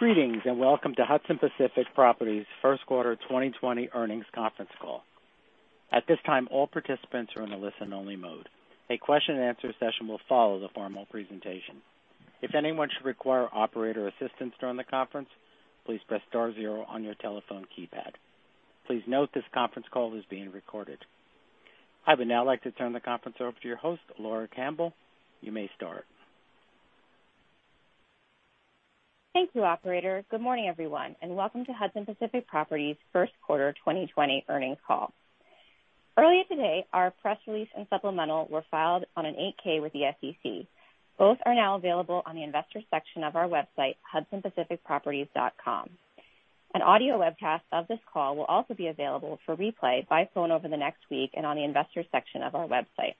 Greetings, welcome to Hudson Pacific Properties' first quarter 2020 earnings conference call. At this time, all participants are in a listen-only mode. A question and answer session will follow the formal presentation. If anyone should require operator assistance during the conference, please press star zero on your telephone keypad. Please note this conference call is being recorded. I would now like to turn the conference over to your host, Laura Campbell. You may start. Thank you, operator. Good morning, everyone, and welcome to Hudson Pacific Properties' first quarter 2020 earnings call. Earlier today, our press release and supplemental were filed on an 8-K with the SEC. Both are now available on the investors section of our website, hudsonpacificproperties.com. An audio webcast of this call will also be available for replay by phone over the next week, and on the investors section of our website.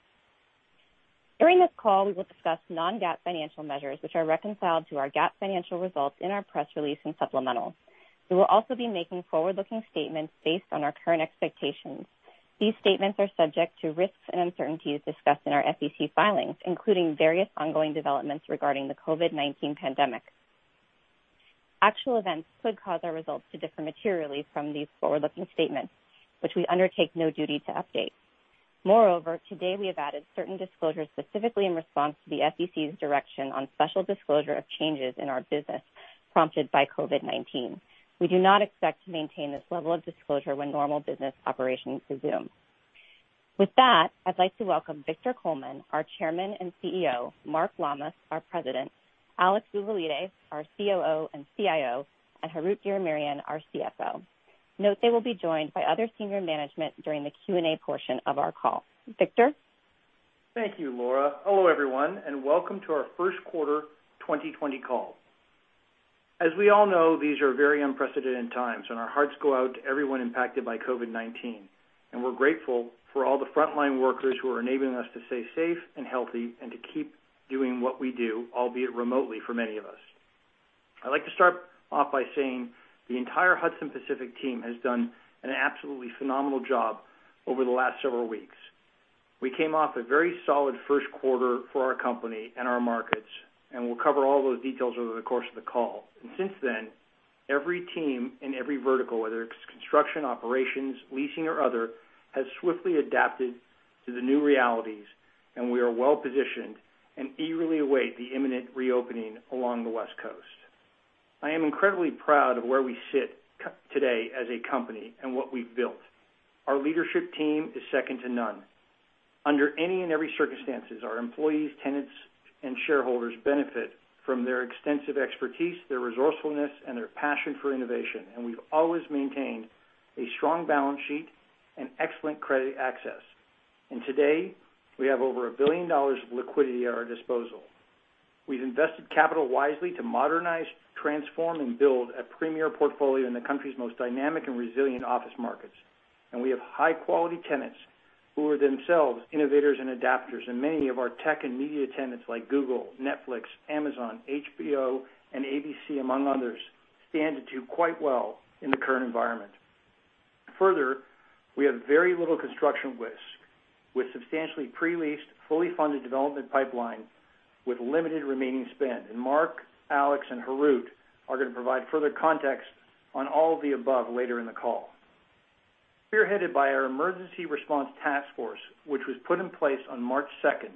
During this call, we will discuss non-GAAP financial measures which are reconciled to our GAAP financial results in our press release and supplemental. We will also be making forward-looking statements based on our current expectations. These statements are subject to risks and uncertainties discussed in our SEC filings, including various ongoing developments regarding the COVID-19 pandemic. Actual events could cause our results to differ materially from these forward-looking statements, which we undertake no duty to update. Moreover, today we have added certain disclosures specifically in response to the SEC's direction on special disclosure of changes in our business prompted by COVID-19. We do not expect to maintain this level of disclosure when normal business operations resume. With that, I'd like to welcome Victor Coleman, our Chairman and CEO, Mark Lammas, our President, Alex Vouvalides, our COO and CIO, and Harout Diramerian, our CFO. Note they will be joined by other senior management during the Q&A portion of our call. Victor? Thank you, Laura. Hello, everyone, welcome to our first quarter 2020 call. As we all know, these are very unprecedented times, our hearts go out to everyone impacted by COVID-19, we're grateful for all the frontline workers who are enabling us to stay safe and healthy, to keep doing what we do, albeit remotely for many of us. I'd like to start off by saying the entire Hudson Pacific team has done an absolutely phenomenal job over the last several weeks. We came off a very solid first quarter for our company and our markets, we'll cover all those details over the course of the call. Since then, every team in every vertical, whether it's construction, operations, leasing, or other, has swiftly adapted to the new realities, we are well-positioned and eagerly await the imminent reopening along the West Coast. I am incredibly proud of where we sit today as a company and what we've built. Our leadership team is second to none. Under any and every circumstances, our employees, tenants, and shareholders benefit from their extensive expertise, their resourcefulness, and their passion for innovation, and we've always maintained a strong balance sheet and excellent credit access. Today, we have over $1 billion of liquidity at our disposal. We've invested capital wisely to modernize, transform, and build a premier portfolio in the country's most dynamic and resilient office markets, and we have high-quality tenants who are themselves innovators and adapters. Many of our tech and media tenants, like Google, Netflix, Amazon, HBO, and ABC, among others, stand to do quite well in the current environment. Further, we have very little construction risk with substantially pre-leased, fully funded development pipeline with limited remaining spend. Mark, Alex, and Harout are going to provide further context on all of the above later in the call. Spearheaded by our emergency response task force, which was put in place on March 2nd,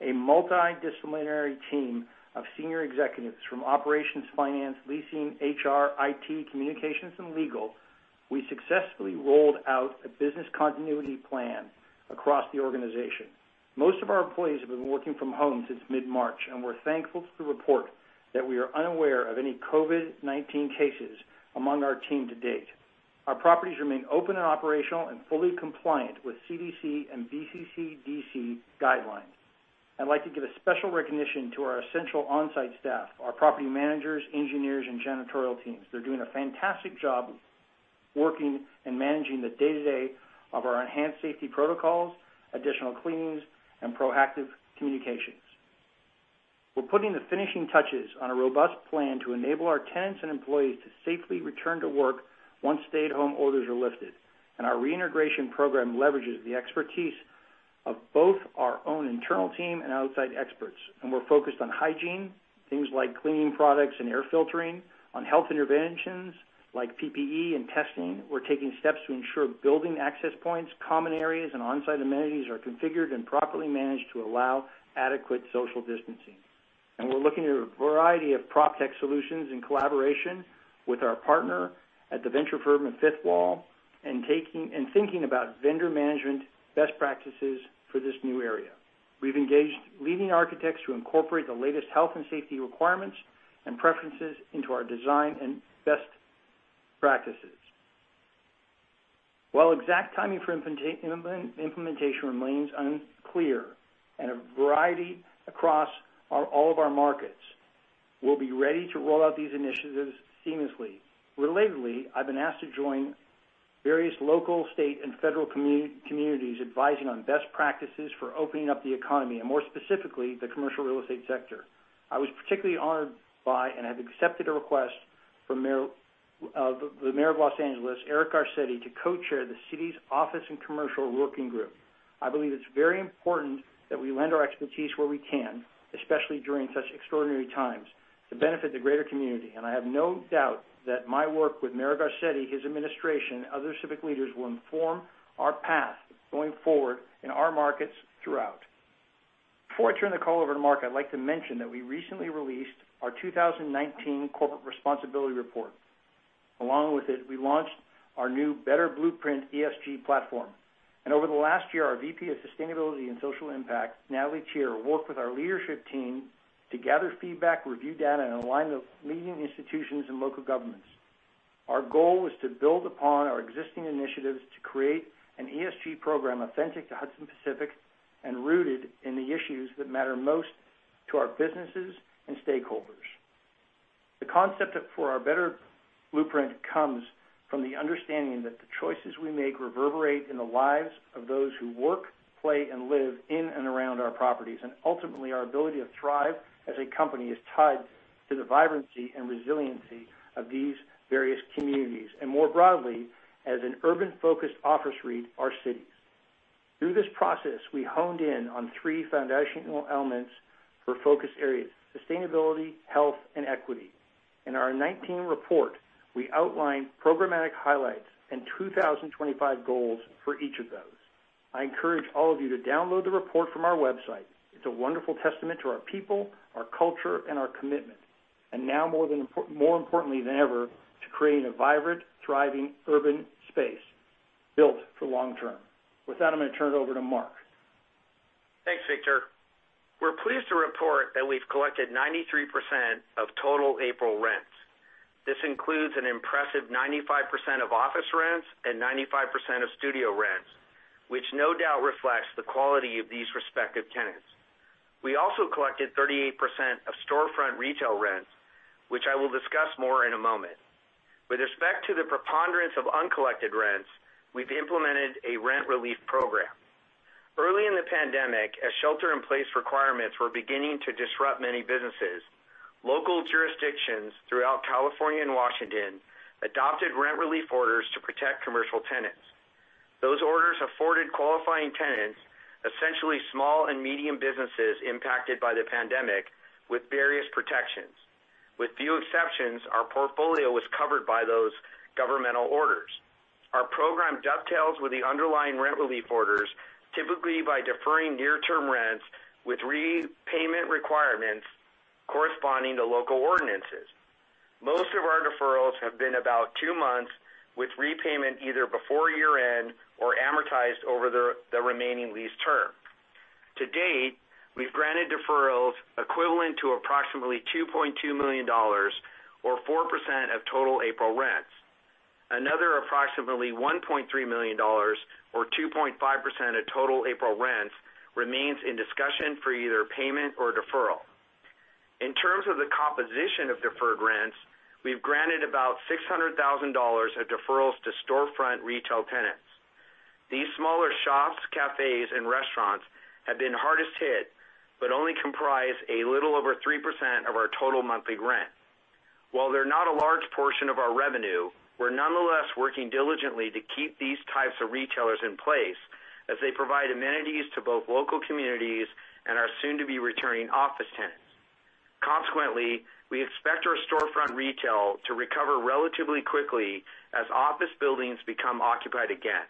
a multidisciplinary team of senior executives from operations, finance, leasing, HR, IT, communications, and legal, we successfully rolled out a business continuity plan across the organization. Most of our employees have been working from home since mid-March, and we're thankful to report that we are unaware of any COVID-19 cases among our team to date. Our properties remain open and operational and fully compliant with CDC and BCCDC guidelines. I'd like to give a special recognition to our essential on-site staff, our property managers, engineers, and janitorial teams. They're doing a fantastic job working and managing the day-to-day of our enhanced safety protocols, additional cleanings, and proactive communications. We're putting the finishing touches on a robust plan to enable our tenants and employees to safely return to work once stay-at-home orders are lifted. Our reintegration program leverages the expertise of both our own internal team and outside experts. We're focused on hygiene, things like cleaning products and air filtering, on health interventions like PPE and testing. We're taking steps to ensure building access points, common areas, and on-site amenities are configured and properly managed to allow adequate social distancing. We're looking at a variety of proptech solutions in collaboration with our partner at the venture firm in Fifth Wall and thinking about vendor management best practices for this new area. We've engaged leading architects to incorporate the latest health and safety requirements and preferences into our design and best practices. While exact timing for implementation remains unclear and a variety across all of our markets, we'll be ready to roll out these initiatives seamlessly. Relatedly, I've been asked to join various local, state, and federal communities advising on best practices for opening up the economy, and more specifically, the commercial real estate sector. I was particularly honored by and have accepted a request from the mayor of Los Angeles, Eric Garcetti, to co-chair the city's office and commercial working group. I believe it's very important that we lend our expertise where we can, especially during such extraordinary times, to benefit the greater community. I have no doubt that my work with Mayor Garcetti, his administration, and other civic leaders will inform our path going forward in our markets throughout. Before I turn the call over to Mark, I'd like to mention that we recently released our 2019 corporate responsibility report. Along with it, we launched our new Better Blueprint ESG platform. Over the last year, our VP of sustainability and social impact, Natalie Teear, worked with our leadership team to gather feedback, review data, and align with leading institutions and local governments. Our goal was to build upon our existing initiatives to create an ESG program authentic to Hudson Pacific and rooted in the issues that matter most to our businesses and stakeholders. The concept for our Better Blueprint comes from the understanding that the choices we make reverberate in the lives of those who work, play, and live in and around our properties. Ultimately, our ability to thrive as a company is tied to the vibrancy and resiliency of these various communities, and more broadly, as an urban-focused office REIT, our cities. Through this process, we honed in on three foundational elements for focus areas, sustainability, health, and equity. In our 2019 report, we outlined programmatic highlights and 2025 goals for each of those. I encourage all of you to download the report from our website. It's a wonderful testament to our people, our culture, and our commitment. Now more importantly than ever, to create a vibrant, thriving urban space built for long term. With that, I'm going to turn it over to Mark. Thanks, Victor. We're pleased to report that we've collected 93% of total April rents. This includes an impressive 95% of office rents and 95% of studio rents, which no doubt reflects the quality of these respective tenants. We also collected 38% of storefront retail rents, which I will discuss more in a moment. With respect to the preponderance of uncollected rents, we've implemented a rent relief program. Early in the pandemic, as shelter-in-place requirements were beginning to disrupt many businesses, local jurisdictions throughout California and Washington adopted rent relief orders to protect commercial tenants. Those orders afforded qualifying tenants, essentially small and medium businesses impacted by the pandemic, with various protections. With few exceptions, our portfolio was covered by those governmental orders. Our program dovetails with the underlying rent relief orders, typically by deferring near-term rents with repayment requirements corresponding to local ordinances. Most of our deferrals have been about two months, with repayment either before year-end or amortized over the remaining lease term. To date, we've granted deferrals equivalent to approximately $2.2 million, or 4% of total April rents. Another approximately $1.3 million, or 2.5% of total April rents, remains in discussion for either payment or deferral. In terms of the composition of deferred rents, we've granted about $600,000 of deferrals to storefront retail tenants. These smaller shops, cafes, and restaurants have been hardest hit but only comprise a little over 3% of our total monthly rent. While they're not a large portion of our revenue, we're nonetheless working diligently to keep these types of retailers in place as they provide amenities to both local communities and our soon-to-be returning office tenants. Consequently, we expect our storefront retail to recover relatively quickly as office buildings become occupied again.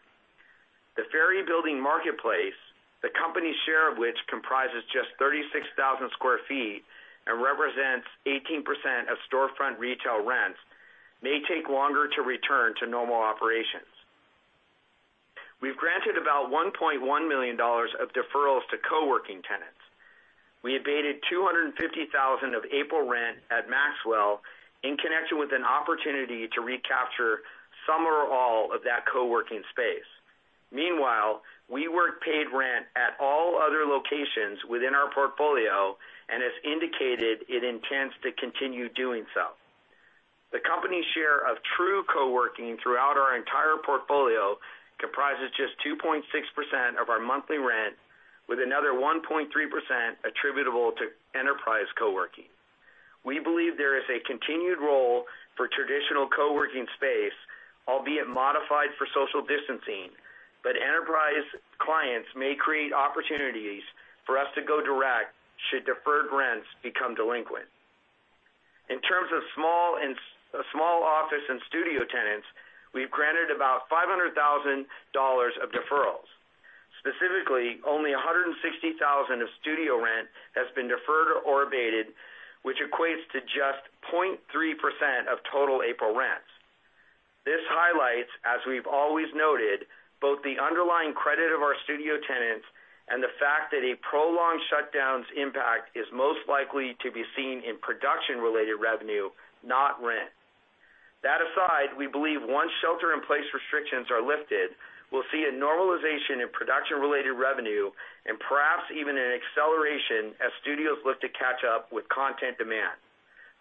The Ferry Building Marketplace, the company's share of which comprises just 36,000 sq ft and represents 18% of storefront retail rents, may take longer to return to normal operations. We've granted about $1.1 million of deferrals to co-working tenants. We abated $250,000 of April rent at Maxwell in connection with an opportunity to recapture some or all of that co-working space. Meanwhile, WeWork paid rent at all other locations within our portfolio and has indicated it intends to continue doing so. The company's share of true co-working throughout our entire portfolio comprises just 2.6% of our monthly rent, with another 1.3% attributable to enterprise co-working. We believe there is a continued role for traditional co-working space, albeit modified for social distancing, but enterprise clients may create opportunities for us to go direct should deferred rents become delinquent. In terms of small office and studio tenants, we've granted about $500,000 of deferrals. Specifically, only $160,000 of studio rent has been deferred or abated, which equates to just 0.3% of total April rents. This highlights, as we've always noted, both the underlying credit of our studio tenants and the fact that a prolonged shutdown's impact is most likely to be seen in production-related revenue, not rent. That aside, we believe once shelter-in-place restrictions are lifted, we'll see a normalization in production-related revenue and perhaps even an acceleration as studios look to catch up with content demand.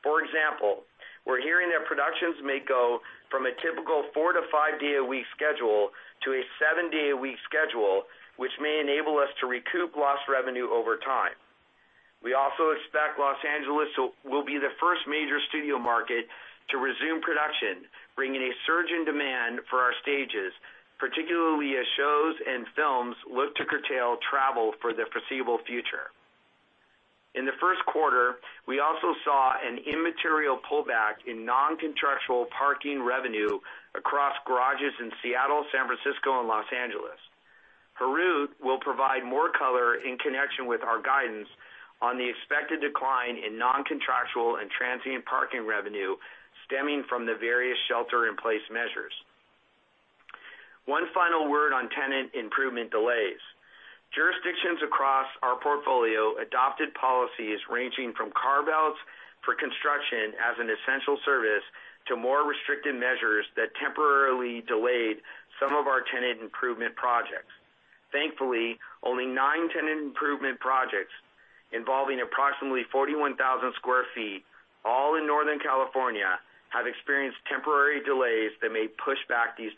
For example, we're hearing that productions may go from a typical four to five day a week schedule to a seven day a week schedule, which may enable us to recoup lost revenue over time. We also expect Los Angeles will be the first major studio market to resume production, bringing a surge in demand for our stages, particularly as shows and films look to curtail travel for the foreseeable future. In the first quarter, we also saw an immaterial pullback in non-contractual parking revenue across garages in Seattle, San Francisco, and Los Angeles. Harout will provide more color in connection with our guidance on the expected decline in non-contractual and transient parking revenue stemming from the various shelter-in-place measures. One final word on tenant improvement delays. Jurisdictions across our portfolio adopted policies ranging from carve-outs for construction as an essential service to more restricted measures that temporarily delayed some of our tenant improvement projects. Thankfully, only nine tenant improvement projects involving approximately 41,000 sq ft, all in Northern California, have experienced temporary delays that may push back these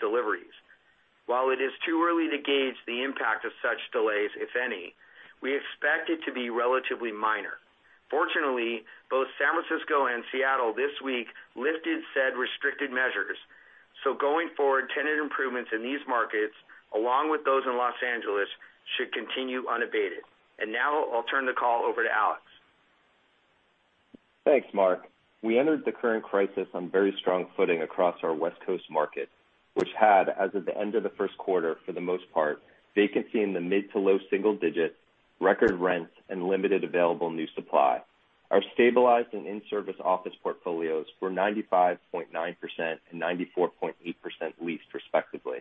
deliveries. While it is too early to gauge the impact of such delays, if any, we expect it to be relatively minor. Fortunately, both San Francisco and Seattle this week lifted said restricted measures. Going forward, tenant improvements in these markets, along with those in Los Angeles, should continue unabated. Now I'll turn the call over to Alex. Thanks, Mark. We entered the current crisis on very strong footing across our West Coast market, which had, as of the end of the first quarter, for the most part, vacancy in the mid to low single digits, record rents, and limited available new supply. Our stabilized and in-service office portfolios were 95.9% and 94.8% leased respectively.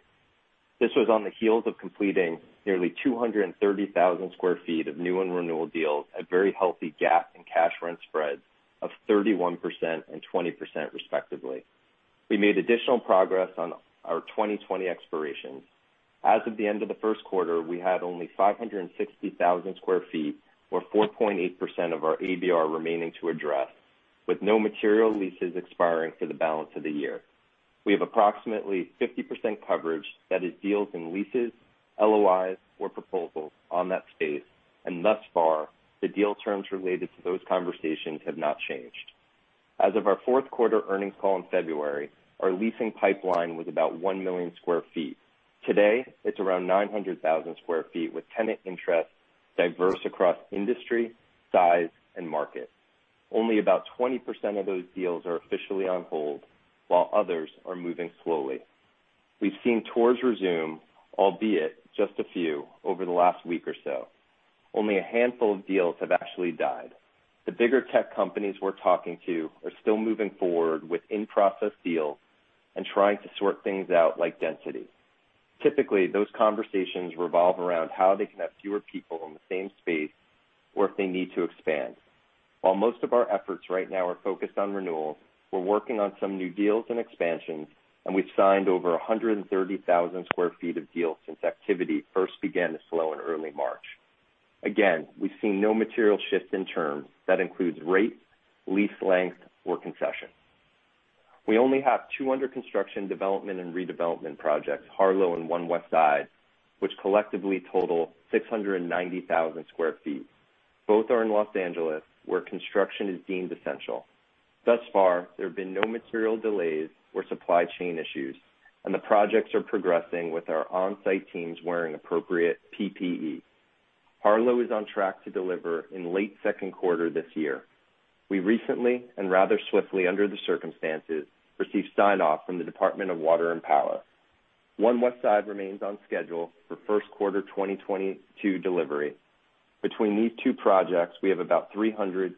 This was on the heels of completing nearly 230,000 sq ft of new and renewal deals at very healthy GAAP and cash rent spreads of 31% and 20% respectively. We made additional progress on our 2020 expirations. As of the end of the first quarter, we had only 560,000 sq ft or 4.8% of our ABR remaining to address, with no material leases expiring for the balance of the year. We have approximately 50% coverage that is deals in leases, LOIs, or proposals on that space. Thus far, the deal terms related to those conversations have not changed. As of our fourth quarter earnings call in February, our leasing pipeline was about 1 million square feet. Today, it's around 900,000 sq ft, with tenant interest diverse across industry, size, and market. Only about 20% of those deals are officially on hold, while others are moving slowly. We've seen tours resume, albeit just a few over the last week or so. Only a handful of deals have actually died. The bigger tech companies we're talking to are still moving forward with in-process deals and trying to sort things out like density. Typically, those conversations revolve around how they can have fewer people in the same space, or if they need to expand. While most of our efforts right now are focused on renewals, we're working on some new deals and expansions, and we've signed over 130,000 sq ft of deals since activity first began to slow in early March. We've seen no material shift in terms. That includes rates, lease length, or concessions. We only have two construction development and redevelopment projects, Harlow and One Westside, which collectively total 690,000 sq ft. Both are in Los Angeles, where construction is deemed essential. Thus far, there have been no material delays or supply chain issues, and the projects are progressing with our on-site teams wearing appropriate PPE. Harlow is on track to deliver in late second quarter this year. We recently and rather swiftly under the circumstances, received sign-off from the Department of Water and Power. One Westside remains on schedule for first quarter 2022 delivery. Between these two projects, we have about $364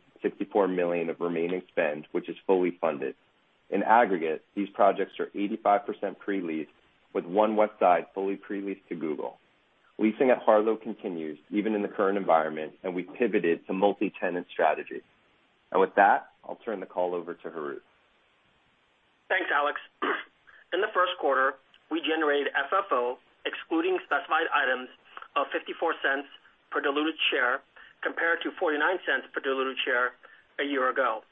million of remaining spend, which is fully funded. In aggregate, these projects are 85% pre-leased, with One Westside fully pre-leased to Google. Leasing at Harlow continues even in the current environment, and we pivoted to multi-tenant strategy. With that, I'll turn the call over to Harout. Thanks, Alex. In the first quarter, we generated FFO, excluding specified items, of $0.54 per diluted share compared to $0.49 per diluted share a year ago.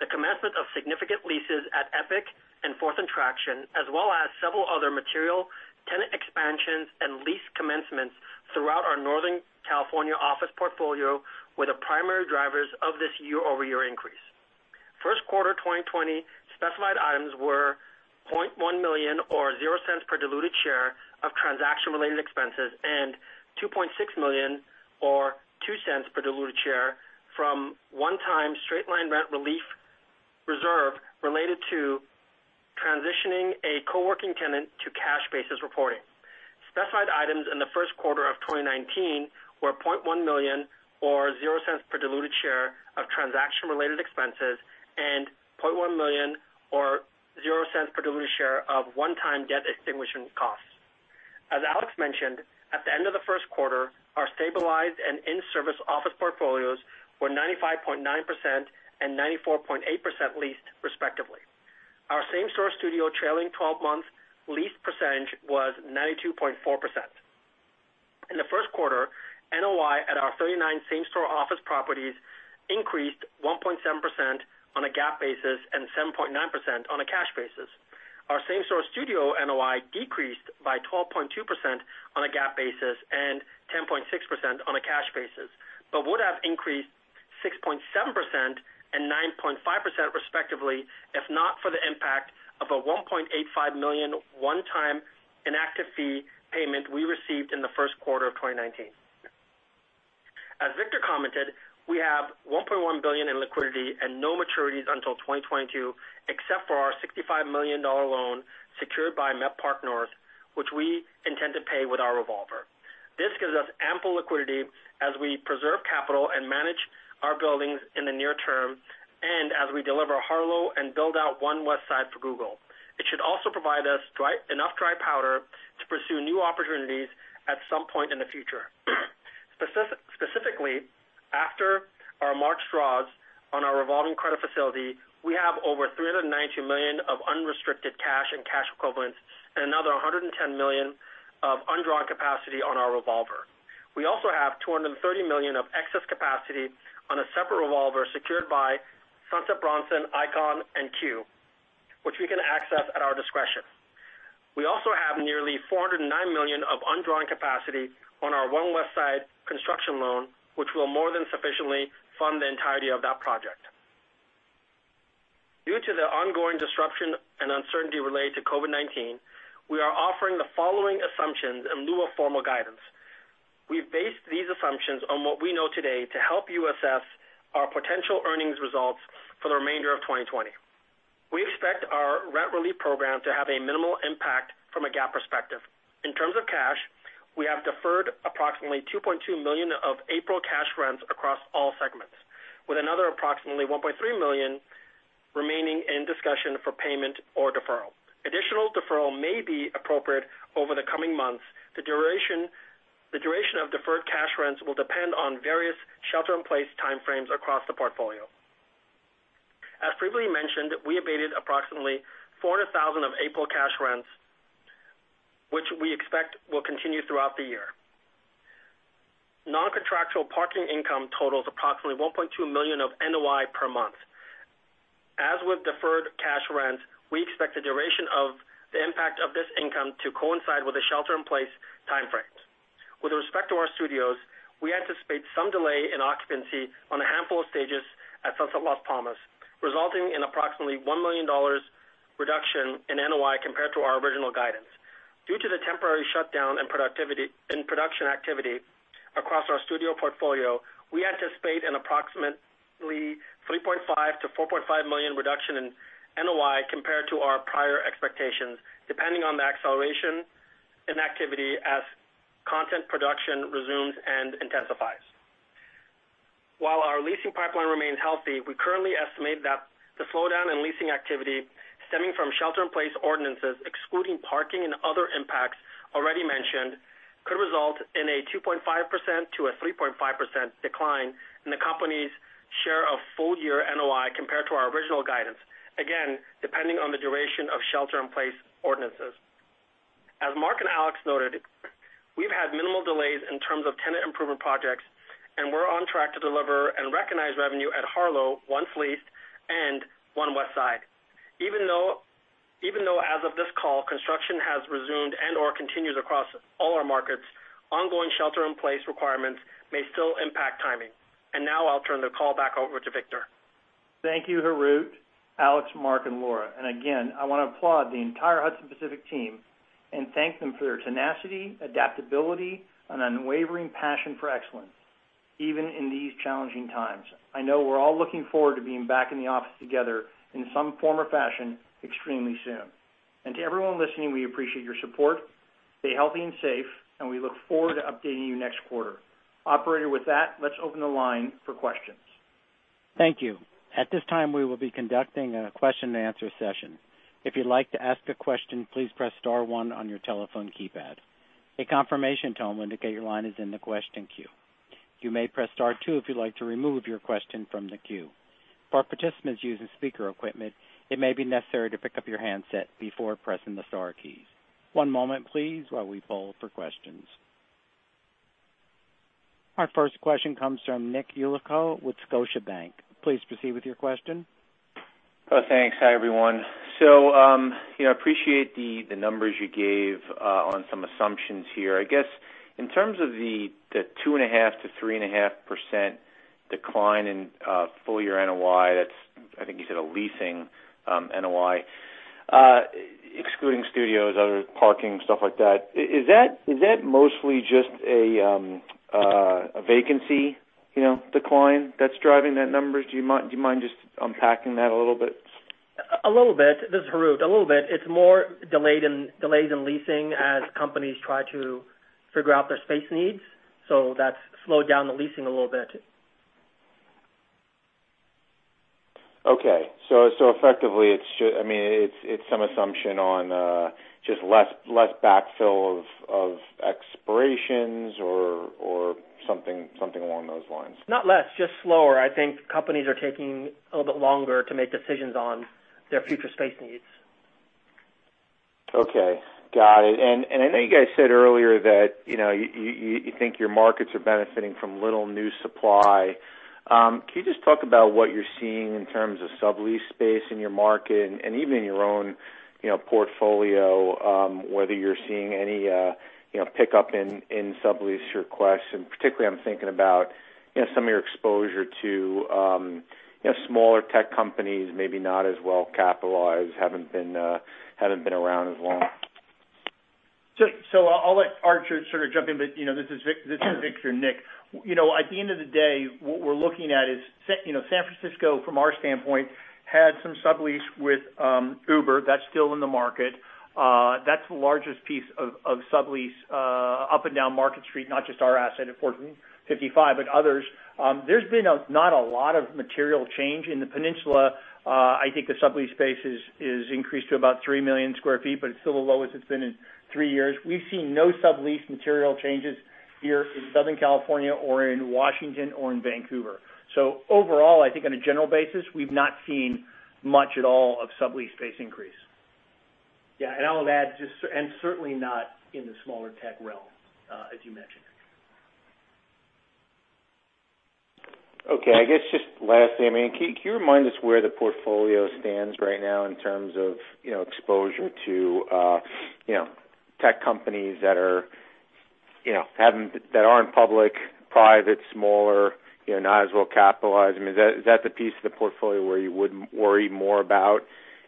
The commencement of significant leases at Epic and 4th and Traction, as well as several other material tenant expansions and lease commencements throughout our Northern California office portfolio, were the primary drivers of this year-over-year increase. First quarter 2020 specified items were $0.1 million or $0.00 per diluted share of transaction-related expenses, and $2.6 million or $0.02 per diluted share from one-time straight-line rent relief reserve related to transitioning a co-working tenant to cash basis reporting. Specified items in the first quarter of 2019 were $0.1 million or $0.00 per diluted share of transaction-related expenses and $0.1 million or $0.00 per diluted share of one-time debt extinguishment costs. As Alex mentioned, at the end of the first quarter, our stabilized and in-service office portfolios were 95.9% and 94.8% leased respectively. Our same-store studio trailing 12 months leased percentage was 92.4%. In the first quarter, NOI at our 39 same-store office properties increased 1.7% on a GAAP basis and 7.9% on a cash basis. Our same-store studio NOI decreased by 12.2% on a GAAP basis and 10.6% on a cash basis, would have increased 6.7% and 9.5% respectively if not for the impact of a $1.85 million one-time inactive fee payment we received in the first quarter of 2019. As Victor commented, we have $1.1 billion in liquidity and no maturities until 2022, except for our $65 million loan secured by Met Park North, which we intend to pay with our revolver. This gives us ample liquidity as we preserve capital and manage our buildings in the near term and as we deliver Harlow and build out One Westside for Google. It should also provide us enough dry powder to pursue new opportunities at some point in the future. Specifically, after our March draws on our revolving credit facility, we have $390 million of unrestricted cash and cash equivalents and $110 million of undrawn capacity on our revolver. We also have $230 million of excess capacity on a separate revolver secured by Sunset Bronson, Icon, and CUE, which we can access at our discretion. We also have $409 million of undrawn capacity on our One Westside construction loan, which will more than sufficiently fund the entirety of that project. Due to the ongoing disruption and uncertainty related to COVID-19, we are offering the following assumptions in lieu of formal guidance. We've based these assumptions on what we know today to help you assess our potential earnings results for the remainder of 2020. We expect our rent relief program to have a minimal impact from a GAAP perspective. In terms of cash, we have deferred approximately $2.2 million of April cash rents across all segments, with another approximately $1.3 million remaining in discussion for payment or deferral. Additional deferral may be appropriate over the coming months. The duration of deferred cash rents will depend on various shelter-in-place time frames across the portfolio. As previously mentioned, we abated approximately $400,000 of April cash rents, which we expect will continue throughout the year. Non-contractual parking income totals approximately $1.2 million of NOI per month. As with deferred cash rents, we expect the duration of the impact of this income to coincide with the shelter-in-place time frames. With respect to our studios, we anticipate some delay in occupancy on a handful of stages at Sunset Las Palmas, resulting in approximately $1 million reduction in NOI compared to our original guidance. Due to the temporary shutdown in production activity across our studio portfolio, we anticipate an approximately $3.5 million-$4.5 million reduction in NOI compared to our prior expectations, depending on the acceleration in activity as content production resumes and intensifies. While our leasing pipeline remains healthy, we currently estimate that the slowdown in leasing activity stemming from shelter-in-place ordinances, excluding parking and other impacts already mentioned, could result in a 2.5%-3.5% decline in the company's share of full-year NOI compared to our original guidance. Again, depending on the duration of shelter-in-place ordinances. As Mark and Alex noted, we've had minimal delays in terms of tenant improvement projects, and we're on track to deliver and recognize revenue at Harlow once leased and One Westside. Even though as of this call, construction has resumed and/or continues across all our markets, ongoing shelter-in-place requirements may still impact timing. Now I'll turn the call back over to Victor. Thank you Harout, Alex, Mark, and Laura. Again, I want to applaud the entire Hudson Pacific team and thank them for their tenacity, adaptability, and unwavering passion for excellence even in these challenging times. I know we're all looking forward to being back in the office together in some form or fashion extremely soon. To everyone listening, we appreciate your support. Stay healthy and safe. We look forward to updating you next quarter. Operator, with that, let's open the line for questions. Thank you. At this time, we will be conducting a question and answer session. If you'd like to ask a question, please press star one on your telephone keypad. A confirmation tone will indicate your line is in the question queue. You may press star two if you'd like to remove your question from the queue. For participants using speaker equipment, it may be necessary to pick up your handset before pressing the star keys. One moment please, while we poll for questions. Our first question comes from Nick Yulico with Scotiabank. Please proceed with your question. Thanks. Hi, everyone. I appreciate the numbers you gave on some assumptions here. I guess in terms of the 2.5%-3.5% decline in full-year NOI, that's I think you said a leasing NOI, excluding studios, other parking, stuff like that, is that mostly just a vacancy decline that's driving that number? Do you mind just unpacking that a little bit? A little bit. This is Harout. A little bit. It's more delays in leasing as companies try to figure out their space needs. That's slowed down the leasing a little bit. Okay. Effectively it's some assumption on just less backfill of expirations or something along those lines. Not less, just slower. I think companies are taking a little bit longer to make decisions on their future space needs. Okay. Got it. I know you guys said earlier that you think your markets are benefiting from little new supply. Can you just talk about what you're seeing in terms of sublease space in your market and even in your own portfolio, whether you're seeing any pickup in sublease requests, and particularly I'm thinking about some of your exposure to smaller tech companies, maybe not as well capitalized, haven't been around as long. I'll let Mark sort of jump in, but this is Victor, Nick. At the end of the day, what we're looking at is San Francisco, from our standpoint, had some sublease with Uber, that's still in the market. That's the largest piece of sublease up and down Market Street, not just our asset at 455, but others. There's been not a lot of material change in the peninsula. I think the sublease space has increased to about 3 million square feet, but it's still the lowest it's been in three years. We've seen no sublease material changes here in Southern California or in Washington or in Vancouver. Overall, I think on a general basis, we've not seen much at all of sublease space increase. Yeah. I'll add, and certainly not in the smaller tech realm, as you mentioned. Okay. I guess just lastly, can you remind us where the portfolio stands right now in terms of exposure to tech companies that aren't public, private, smaller, not as well capitalized? Is that the piece of the portfolio where you would worry more about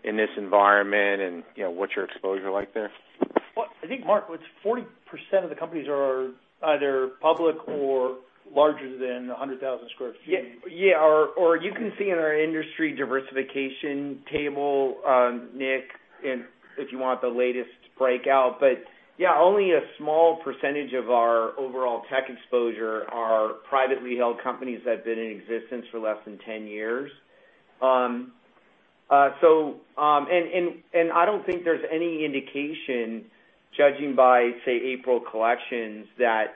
in this environment, and what's your exposure like there? Well, I think, Mark, 40% of the companies are either public or larger than 100,000 sq ft. Yeah. You can see in our industry diversification table, Nick, if you want the latest breakout. Yeah, only a small percentage of our overall tech exposure are privately held companies that have been in existence for less than 10 years. I don't think there's any indication, judging by, say, April collections, that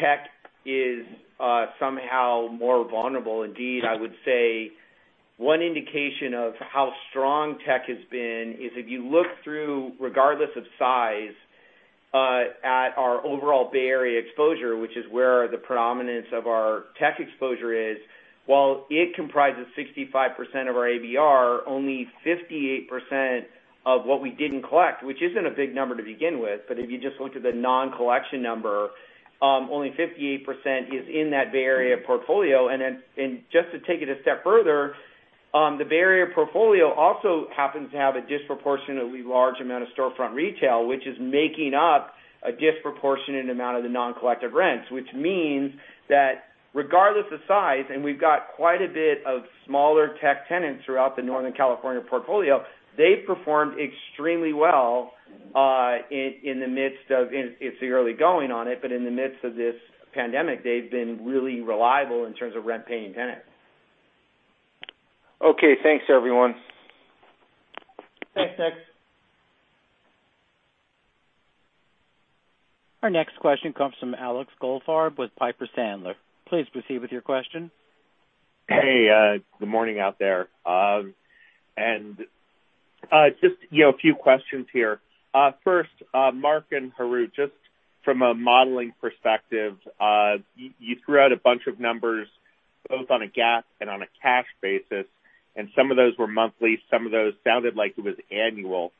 tech is somehow more vulnerable. Indeed, I would say one indication of how strong tech has been is if you look through, regardless of size, at our overall Bay Area exposure, which is where the predominance of our tech exposure is, while it comprises 65% of our ABR, only 58% of what we didn't collect, which isn't a big number to begin with, but if you just look at the non-collection number, only 58% is in that Bay Area portfolio. Just to take it a step further, the Bay Area portfolio also happens to have a disproportionately large amount of storefront retail, which is making up a disproportionate amount of the non-collected rents. Which means that regardless of size, and we've got quite a bit of smaller tech tenants throughout the Northern California portfolio, they've performed extremely well It's early going on it, but in the midst of this pandemic, they've been really reliable in terms of rent-paying tenants. Okay, thanks everyone. Thanks, Nick. Our next question comes from Alex Goldfarb with Piper Sandler. Please proceed with your question. Hey, good morning out there. Just a few questions here. First, Mark and Harout, just from a modeling perspective, you threw out a bunch of numbers both on a GAAP and on a cash basis, and some of those were monthly, some of those sounded like it was annual.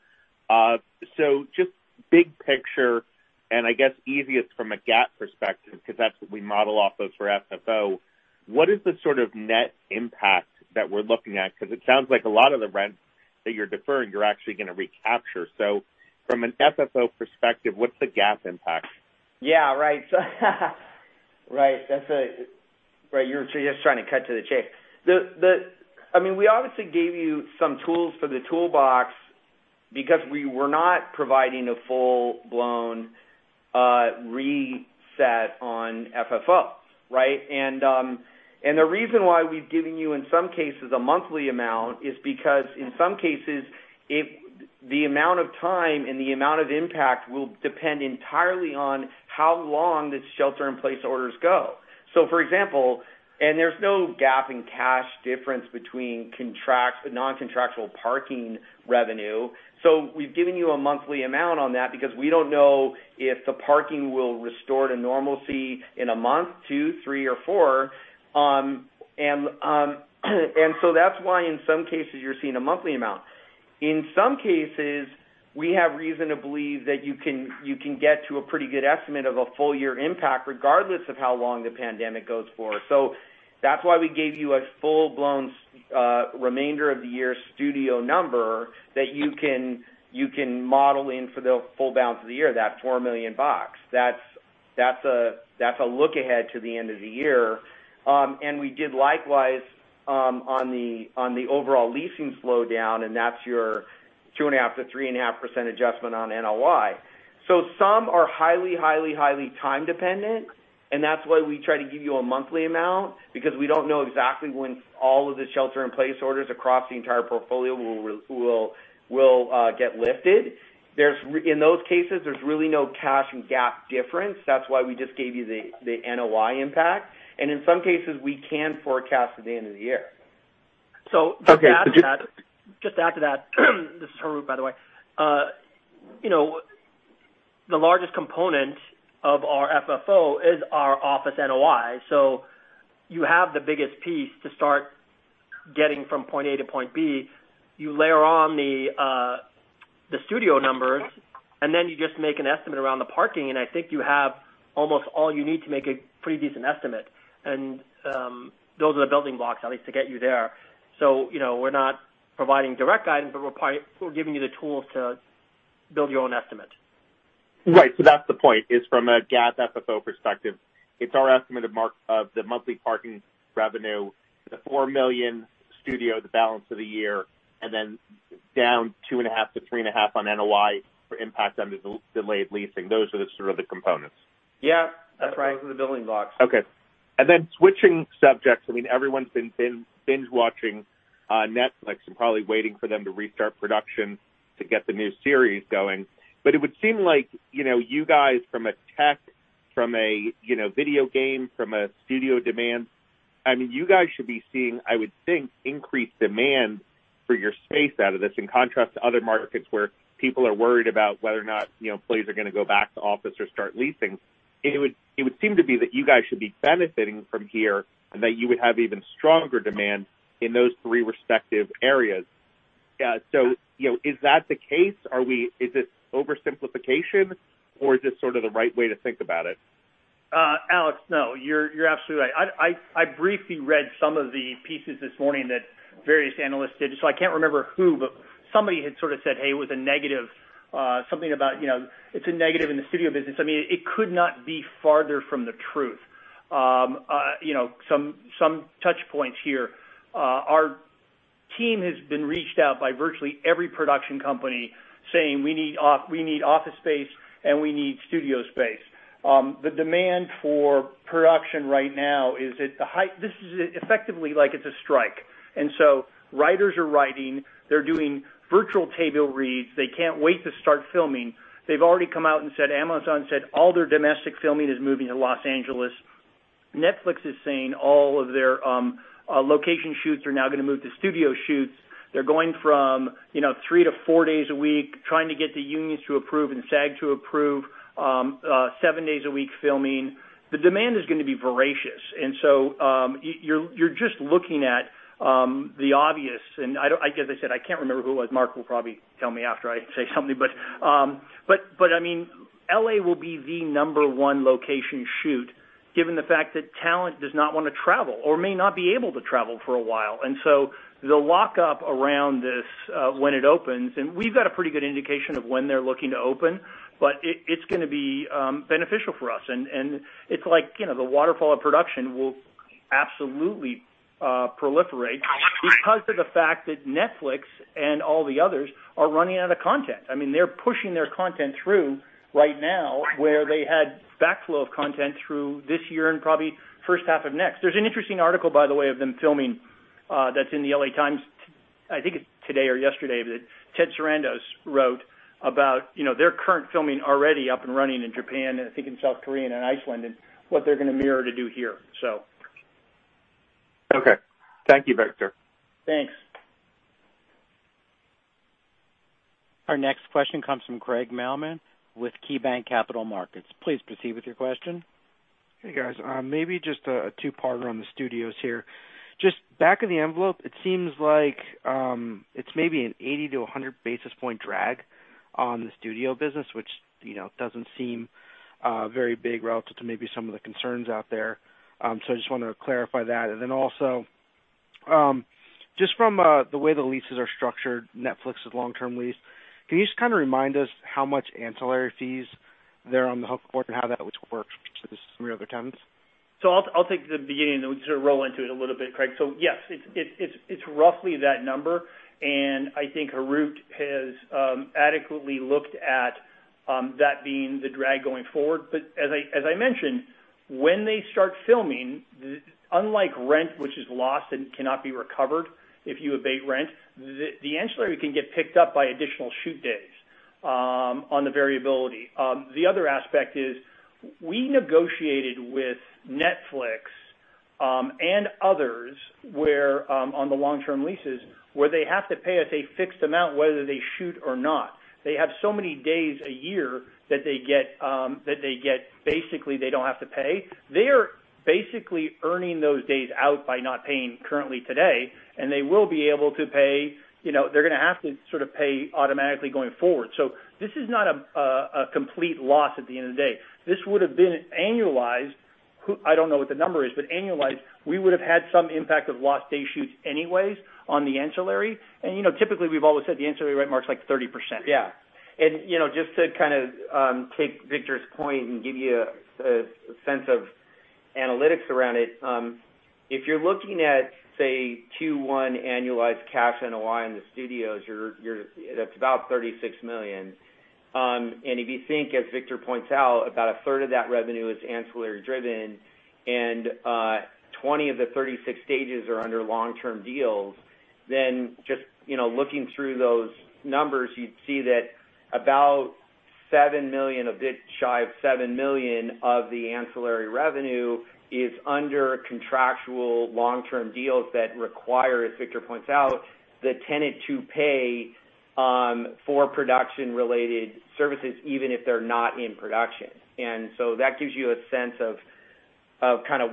Just big picture, and I guess easiest from a GAAP perspective, because that's what we model off of for FFO, what is the sort of net impact that we're looking at? Because it sounds like a lot of the rents that you're deferring, you're actually going to recapture. From an FFO perspective, what's the GAAP impact? Yeah, right. Right. You're just trying to cut to the chase. We obviously gave you some tools for the toolbox because we were not providing a full-blown reset on FFO, right? The reason why we've given you, in some cases, a monthly amount is because in some cases, the amount of time and the amount of impact will depend entirely on how long the shelter-in-place orders go. For example, there's no GAAP and cash difference between non-contractual parking revenue. We've given you a monthly amount on that because we don't know if the parking will restore to normalcy in a month, two, three, or four. That's why in some cases you're seeing a monthly amount. In some cases, we have reason to believe that you can get to a pretty good estimate of a full-year impact, regardless of how long the pandemic goes for. That's why we gave you a full-blown remainder-of-the-year studio number that you can model in for the full balance of the year, that $4 million. That's a look ahead to the end of the year. We did likewise on the overall leasing slowdown, and that's your 2.5%-3.5% adjustment on NOI. Some are highly, highly time-dependent, and that's why we try to give you a monthly amount because we don't know exactly when all of the shelter-in-place orders across the entire portfolio will get lifted. In those cases, there's really no cash and GAAP difference. That's why we just gave you the NOI impact. In some cases, we can forecast to the end of the year. So- Okay. Just to add to that, this is Harout, by the way. The largest component of our FFO is our office NOI. You have the biggest piece to start getting from point A to point B. You layer on the studio numbers, then you just make an estimate around the parking, I think you have almost all you need to make a pretty decent estimate. Those are the building blocks, at least, to get you there. We're not providing direct guidance, we're giving you the tools to build your own estimate. Right. That's the point, is from a GAAP FFO perspective, it's our estimate of the monthly parking revenue, the $4 million studio, the balance of the year, down $2.5 million-$3.5 million on NOI for impact under delayed leasing. Those are the sort of the components. Yeah. That's right. Those are the building blocks. Okay. Switching subjects, I mean, everyone's been binge-watching Netflix and probably waiting for them to restart production to get the new series going. It would seem like, you guys from a tech, from a video game, from a studio demand, I mean, you guys should be seeing, I would think, increased demand for your space out of this, in contrast to other markets where people are worried about whether or not employees are going to go back to office or start leasing. It would seem to be that you guys should be benefiting from here, and that you would have even stronger demand in those three respective areas. Is that the case? Is it oversimplification or is this sort of the right way to think about it? Alex, no, you're absolutely right. I briefly read some of the pieces this morning that various analysts did. I can't remember who, but somebody had sort of said, "Hey, it was a negative." Something about it's a negative in the studio business. I mean, it could not be farther from the truth. Some touch points here. Our team has been reached out by virtually every production company saying, "We need office space and we need studio space." The demand for production right now is at the height. This is effectively like it's a strike. Writers are writing. They're doing virtual table reads. They can't wait to start filming. They've already come out and said. Amazon said all their domestic filming is moving to Los Angeles. Netflix is saying all of their location shoots are now going to move to studio shoots. They're going from three to four days a week, trying to get the unions to approve and SAG to approve seven days a week filming. The demand is going to be voracious. So, you're just looking at the obvious, and I guess I said I can't remember who it was. Mark will probably tell me after I say something. I mean, L.A. will be the number one location shoot, given the fact that talent does not want to travel or may not be able to travel for a while. So the lockup around this, when it opens, and we've got a pretty good indication of when they're looking to open, but it's going to be beneficial for us. It's like the waterfall of production will absolutely proliferate because of the fact that Netflix and all the others are running out of content. I mean, they're pushing their content through right now, where they had backflow of content through this year and probably first half of next. There's an interesting article, by the way, of them filming, that's in the LA Times. I think it's today or yesterday, that Ted Sarandos wrote about their current filming already up and running in Japan, and I think in South Korea and Iceland, and what they're going to mirror to do here, so. Okay. Thank you, Victor. Thanks. Our next question comes from Craig Mailman with KeyBanc Capital Markets. Please proceed with your question. Hey, guys. Maybe just a two-parter on the studios here. Just back of the envelope, it seems like it's maybe an 80-100 basis point drag on the studio business, which doesn't seem very big relative to maybe some of the concerns out there. I just wanted to clarify that. Also, just from the way the leases are structured, Netflix's long-term lease, can you just kind of remind us how much ancillary fees they're on the hook for and how that works versus some of your other tenants? I'll take the beginning and we can sort of roll into it a little bit, Craig. Yes, it's roughly that number, and I think Harout has adequately looked at that being the drag going forward. As I mentioned, when they start filming, unlike rent, which is lost and cannot be recovered if you abate rent, the ancillary can get picked up by additional shoot days on the variability. The other aspect is, we negotiated with Netflix and others where, on the long-term leases, where they have to pay us a fixed amount, whether they shoot or not. They have so many days a year that they get basically, they don't have to pay. They are basically earning those days out by not paying currently today, and they will be able to pay, they're going to have to sort of pay automatically going forward. This is not a complete loss at the end of the day. This would've been annualized. I don't know what the number is, but annualized, we would've had some impact of lost day shoots anyways on the ancillary. Typically, we've always said the ancillary rent mark is like 30%. Yeah. Just to kind of take Victor's point and give you a sense of analytics around it. If you're looking at, say, Q1 annualized cash NOI in the studios, that's about $36 million. If you think, as Victor points out, about a third of that revenue is ancillary driven and 20 of the 36 stages are under long-term deals, just looking through those numbers, you'd see that about $7 million, a bit shy of $7 million of the ancillary revenue is under contractual long-term deals that require, as Victor points out, the tenant to pay for production-related services, even if they're not in production. That gives you a sense of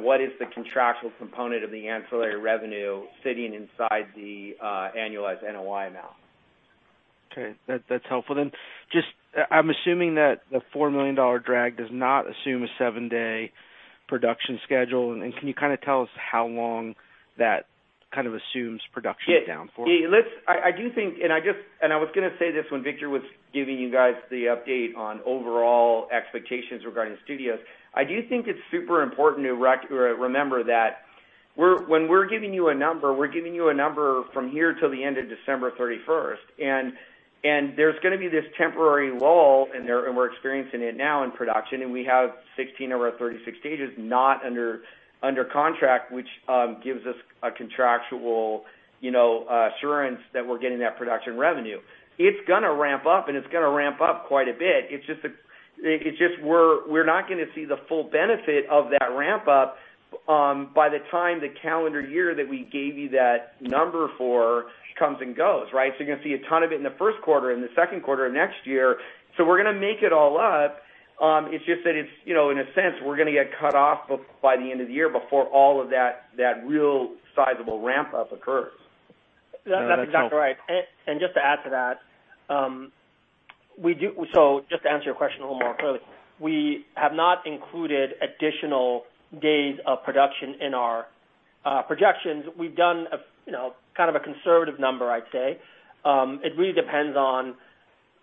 what is the contractual component of the ancillary revenue sitting inside the annualized NOI now. Okay. That's helpful then. I'm assuming that the $4 million drag does not assume a seven-day production schedule. Can you kind of tell us how long that kind of assumes production is down for? Yeah. I do think, and I was going to say this when Victor was giving you guys the update on overall expectations regarding studios. I do think it's super important to remember that when we're giving you a number, we're giving you a number from here till the end of December 31st. There's going to be this temporary lull, and we're experiencing it now in production, and we have 16 of our 36 stages not under contract, which gives us a contractual assurance that we're getting that production revenue. It's going to ramp up, and it's going to ramp up quite a bit. It's just we're not going to see the full benefit of that ramp-up by the time the calendar year that we gave you that number for comes and goes, right? You're going to see a ton of it in the first quarter and the second quarter of next year. We're going to make it all up. It's just that, in a sense, we're going to get cut off by the end of the year before all of that real sizable ramp-up occurs. That's helpful. That's exactly right. Just to add to that. Just to answer your question a little more clearly. We have not included additional days of production in our projections. We've done kind of a conservative number, I'd say. It really depends on,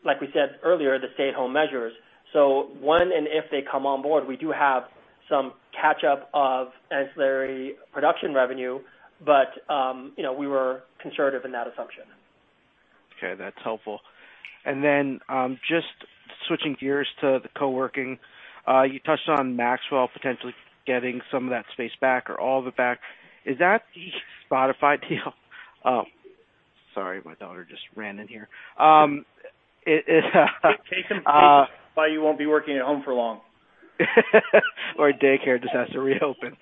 like we said earlier, the stay-at-home measures. When and if they come on board, we do have some catch-up of ancillary production revenue. We were conservative in that assumption. Okay. That's helpful. Just switching gears to the co-working. You touched on Maxwell potentially getting some of that space back or all of it back. Is that the Spotify deal? sorry, my daughter just ran in here. Take some tea, but you won't be working at home for long. Daycare just has to reopen.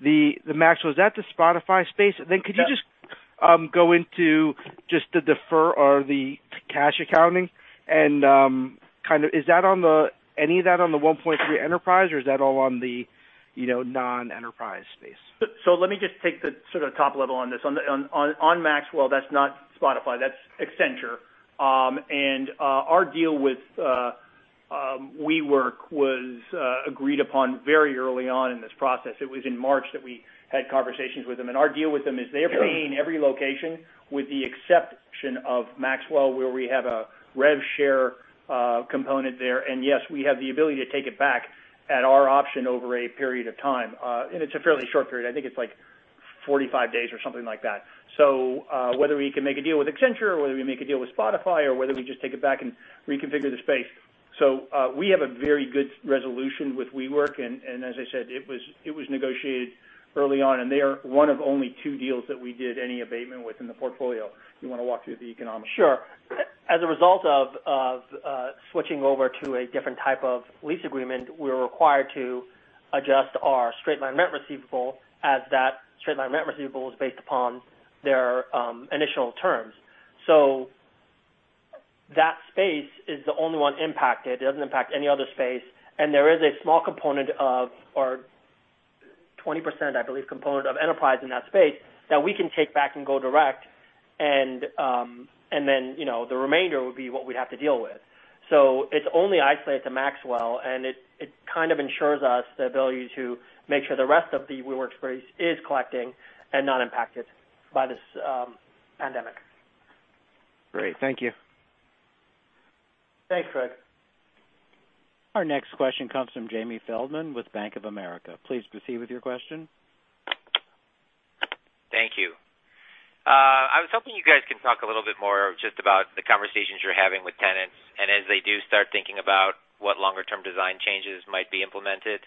The Maxwell, is that the Spotify space? Yes. Could you just go into just the defer or the cash accounting and kind of, is any of that on the 1.3 enterprise or is that all on the non-enterprise space? Let me just take the sort of top level on this. On Maxwell, that's not Spotify, that's Accenture. Our deal with WeWork was agreed upon very early on in this process. It was in March that we had conversations with them. Our deal with them is they're paying every location with the exception of Maxwell, where we have a rev share component there. Yes, we have the ability to take it back at our option over a period of time. It's a fairly short period. I think it's like 45 days or something like that. Whether we can make a deal with Accenture or whether we make a deal with Spotify or whether we just take it back and reconfigure the space. We have a very good resolution with WeWork, and as I said, it was negotiated early on, and they are one of only two deals that we did any abatement with in the portfolio. Do you want to walk through the economics? Sure. As a result of switching over to a different type of lease agreement, we're required to adjust our straight line rent receivable as that straight line rent receivable is based upon their initial terms. That space is the only one impacted. It doesn't impact any other space, and there is a small component of, or 20%, I believe, component of enterprise in that space that we can take back and go direct. The remainder would be what we'd have to deal with. It's only isolated to Maxwell, and it kind of ensures us the ability to make sure the rest of the WeWork space is collecting and not impacted by this pandemic. Great. Thank you. Thanks, Craig. Our next question comes from Jamie Feldman with Bank of America. Please proceed with your question. Thank you. I was hoping you guys can talk a little bit more just about the conversations you're having with tenants and as they do start thinking about what longer-term design changes might be implemented,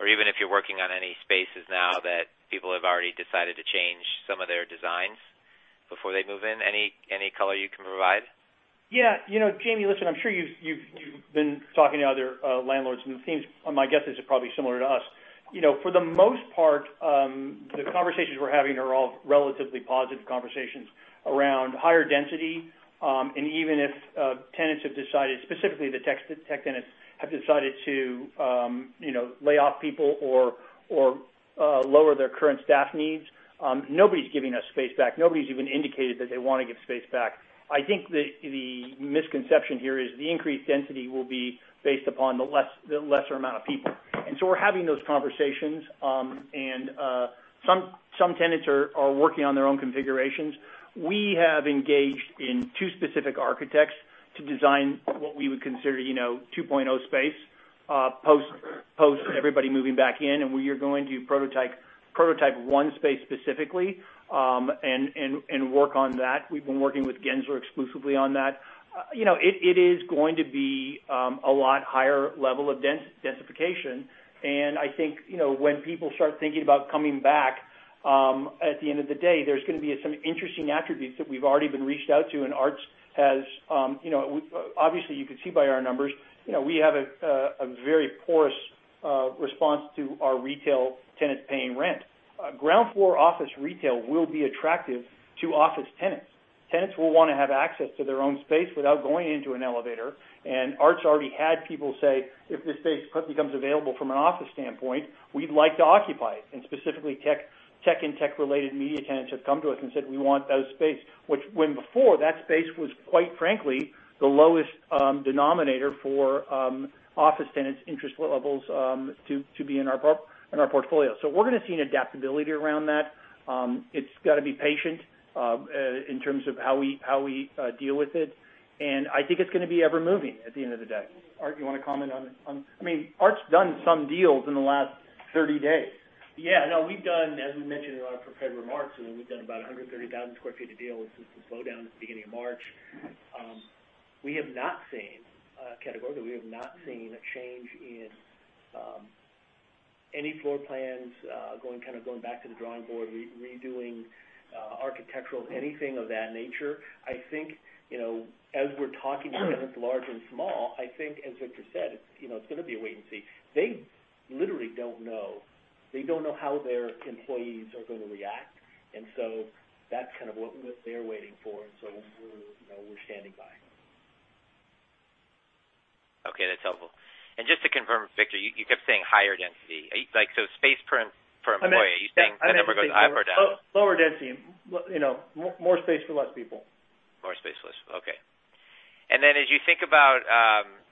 or even if you're working on any spaces now that people have already decided to change some of their designs before they move in. Any color you can provide? Yeah. Jamie, listen, I'm sure you've been talking to other landlords, and my guess is they're probably similar to us. For the most part, the conversations we're having are all relatively positive conversations around higher density. Even if tenants have decided, specifically the tech tenants have decided to lay off people or lower their current staff needs, nobody's giving us space back. Nobody's even indicated that they want to give space back. I think the misconception here is the increased density will be based upon the lesser amount of people. So we're having those conversations. Some tenants are working on their own configurations. We have engaged in two specific architects to design what we would consider 2.0 space post everybody moving back in, and we are going to prototype one space specifically and work on that. We've been working with Gensler exclusively on that. It is going to be a lot higher level of densification. I think when people start thinking about coming back. At the end of the day, there's going to be some interesting attributes that we've already been reached out to, and Art has. Obviously you can see by our numbers, we have a very poor response to our retail tenants paying rent. Ground-floor office retail will be attractive to office tenants. Tenants will want to have access to their own space without going into an elevator. Art already had people say, "If this space becomes available from an office standpoint, we'd like to occupy it." Specifically tech and tech-related media tenants have come to us and said, "We want that space." Which when before, that space was, quite frankly, the lowest denominator for office tenants' interest levels to be in our portfolio. We're going to see an adaptability around that. It's got to be patient in terms of how we deal with it, and I think it's going to be ever-moving at the end of the day. Art, you want to comment on it? Art's done some deals in the last 30 days. Yeah. No, as we mentioned in our prepared remarks, we've done about 130,000 sq ft of deals since the slowdown at the beginning of March. Categorically, we have not seen a change in any floor plans, going back to the drawing board, redoing architectural, anything of that nature. I think, as we're talking to tenants large and small, I think, as Victor said, it's going to be a wait-and-see. They literally don't know. They don't know how their employees are going to react, and so that's what they're waiting for, and so we're standing by. Okay, that's helpful. Just to confirm, Victor, you kept saying higher density. Space per employee- I meant- Are you saying that number goes up or down? Lower density. More space for less people. More space for less people. Okay. As you think about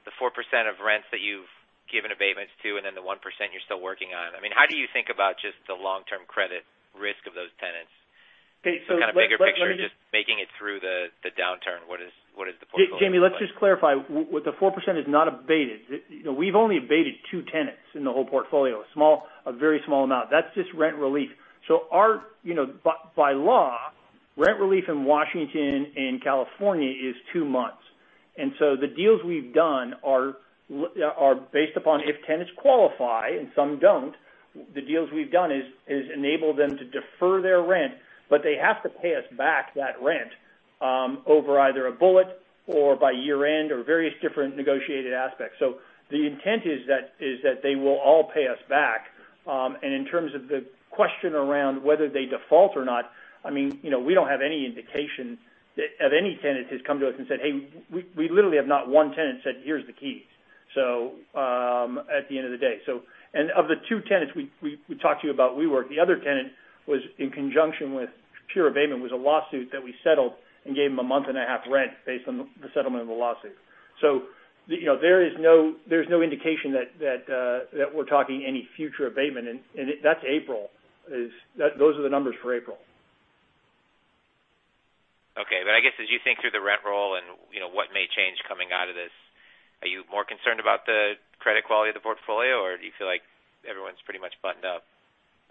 the 4% of rents that you've given abatements to, and then the 1% you're still working on, how do you think about just the long-term credit risk of those tenants? Okay. Kind of bigger picture, just making it through the downturn. What is the portfolio look like? Jamie, let's just clarify. The 4% is not abated. We've only abated two tenants in the whole portfolio. A very small amount. That's just rent relief. By law, rent relief in Washington and California is two months. The deals we've done are based upon if tenants qualify, and some don't. The deals we've done has enabled them to defer their rent, they have to pay us back that rent over either a bullet or by year-end or various different negotiated aspects. The intent is that they will all pay us back. In terms of the question around whether they default or not, we don't have any indication of any tenant that's come to us and said, "Hey." We literally have not one tenant said, "Here's the keys." At the end of the day. Of the two tenants we talked to you about WeWork, the other tenant was in conjunction with pure abatement, was a lawsuit that we settled and gave them a month and a half rent based on the settlement of the lawsuit. There's no indication that we're talking any future abatement. That's April. Those are the numbers for April. Okay. I guess as you think through the rent roll and what may change coming out of this, are you more concerned about the credit quality of the portfolio, or do you feel like everyone's pretty much buttoned up?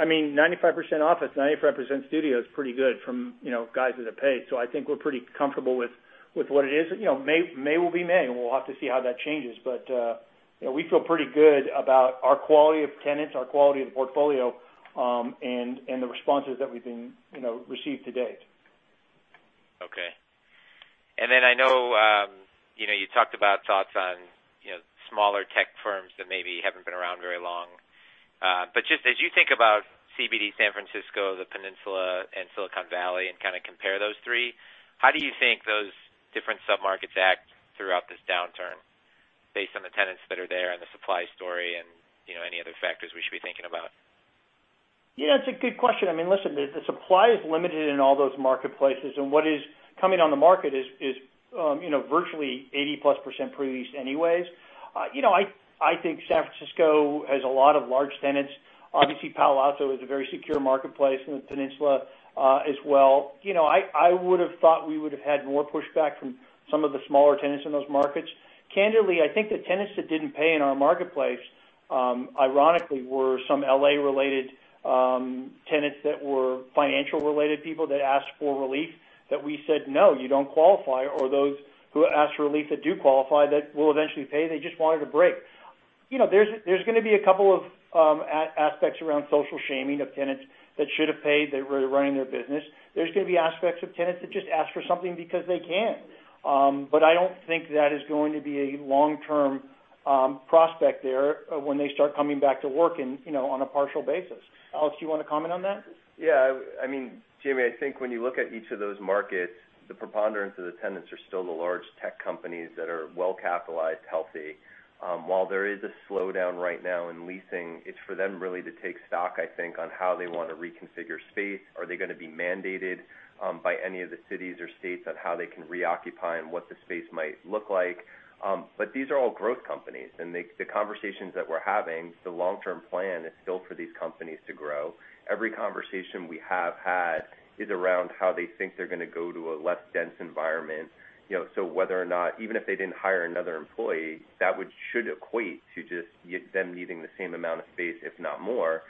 95% office, 95% studio is pretty good from guys that have paid. I think we're pretty comfortable with what it is. May will be May, we'll have to see how that changes. We feel pretty good about our quality of tenants, our quality of the portfolio, and the responses that we've received to date. Okay. I know you talked about thoughts on smaller tech firms that maybe haven't been around very long. Just as you think about CBD San Francisco, the Peninsula, and Silicon Valley, and kind of compare those three, how do you think those different sub-markets act throughout this downturn based on the tenants that are there and the supply story and any other factors we should be thinking about? Yeah, it's a good question. Listen, the supply is limited in all those marketplaces, and what is coming on the market is virtually 80%+ pre-leased anyways. I think San Francisco has a lot of large tenants. Obviously, Palo Alto is a very secure marketplace in the Peninsula as well. I would've thought we would've had more pushback from some of the smaller tenants in those markets. Candidly, I think the tenants that didn't pay in our marketplace, ironically, were some L.A.-related tenants, that were financial-related people that asked for relief, that we said, "No, you don't qualify." Those who asked for relief that do qualify that will eventually pay, they just wanted a break. There's going to be a couple of aspects around social shaming of tenants that should've paid that were running their business. There's going to be aspects of tenants that just ask for something because they can. I don't think that is going to be a long-term prospect there when they start coming back to work on a partial basis. Alex, you want to comment on that? Yeah. Jamie, I think when you look at each of those markets, the preponderance of the tenants are still the large tech companies that are well-capitalized, healthy. While there is a slowdown right now in leasing, it's for them really to take stock, I think, on how they want to reconfigure space. Are they going to be mandated by any of the cities or states on how they can reoccupy and what the space might look like? These are all growth companies, and the conversations that we're having, the long-term plan is still for these companies to grow. Every conversation we have had is around how they think they're going to go to a less dense environment. Whether or not, even if they didn't hire another employee, that should equate to just them needing the same amount of space, if not more.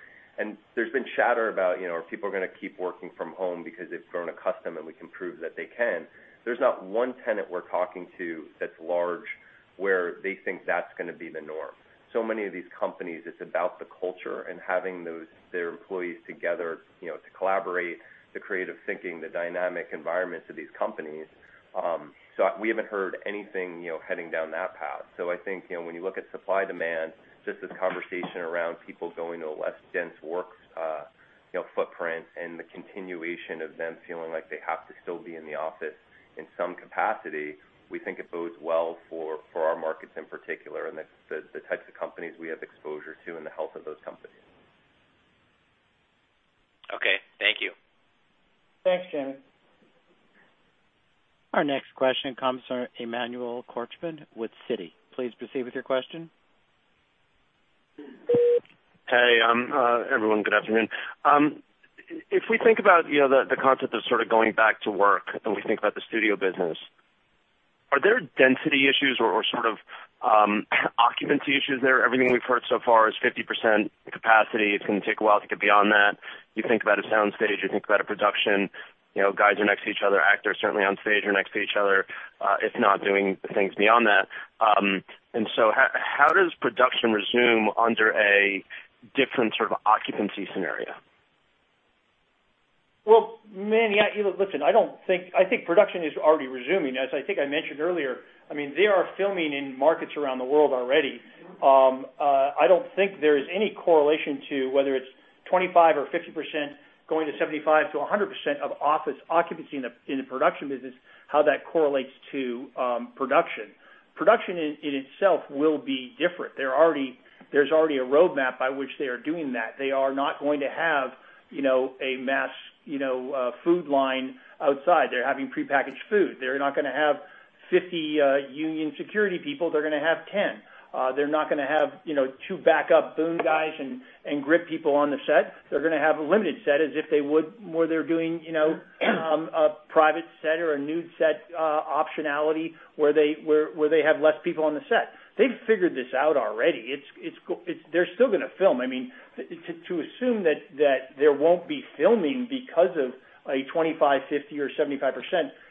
There's been chatter about are people going to keep working from home because they've grown accustomed and we can prove that they can. There's not one tenant we're talking to that's large where they think that's going to be the norm. Many of these companies, it's about the culture and having their employees together to collaborate, the creative thinking, the dynamic environments of these companies. We haven't heard anything heading down that path. I think when you look at supply-demand, just this conversation around people going to a less dense work footprint and the continuation of them feeling like they have to still be in the office in some capacity, we think it bodes well for our markets in particular, and the types of companies we have exposure to and the health of those companies. Okay. Thank you. Thanks, Jamie. Our next question comes from Emmanuel Korchman with Citi. Please proceed with your question. Hey, everyone. Good afternoon. If we think about the concept of sort of going back to work, and we think about the studio business, are there density issues or sort of occupancy issues there? Everything we've heard so far is 50% capacity. It's going to take a while to get beyond that. You think about a sound stage, you think about a production, guys are next to each other. Actors certainly on stage are next to each other, if not doing things beyond that. How does production resume under a different sort of occupancy scenario? Well, Emmanuel, listen, I think production is already resuming. As I think I mentioned earlier, they are filming in markets around the world already. I don't think there is any correlation to whether it's 25% or 50% going to 75%-100% of office occupancy in the production business, how that correlates to production. Production in itself will be different. There's already a roadmap by which they are doing that. They are not going to have a mass food line outside. They're having prepackaged food. They're not going to have 50 union security people, they're going to have 10. They're not going to have two backup boom guys and grip people on the set. They're going to have a limited set as if they would where they're doing a private set or a nude set optionality where they have less people on the set. They've figured this out already. They're still going to film. To assume that there won't be filming because of a 25%, 50%, or 75%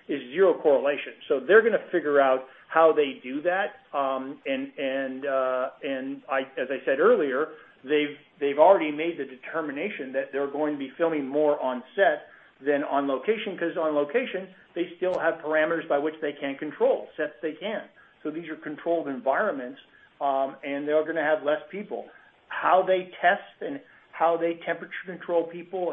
is zero correlation. They're going to figure out how they do that. As I said earlier, they've already made the determination that they're going to be filming more on set than on location, because on location, they still have parameters by which they can't control. Sets they can. These are controlled environments, and they're going to have less people. How they test and how they temperature control people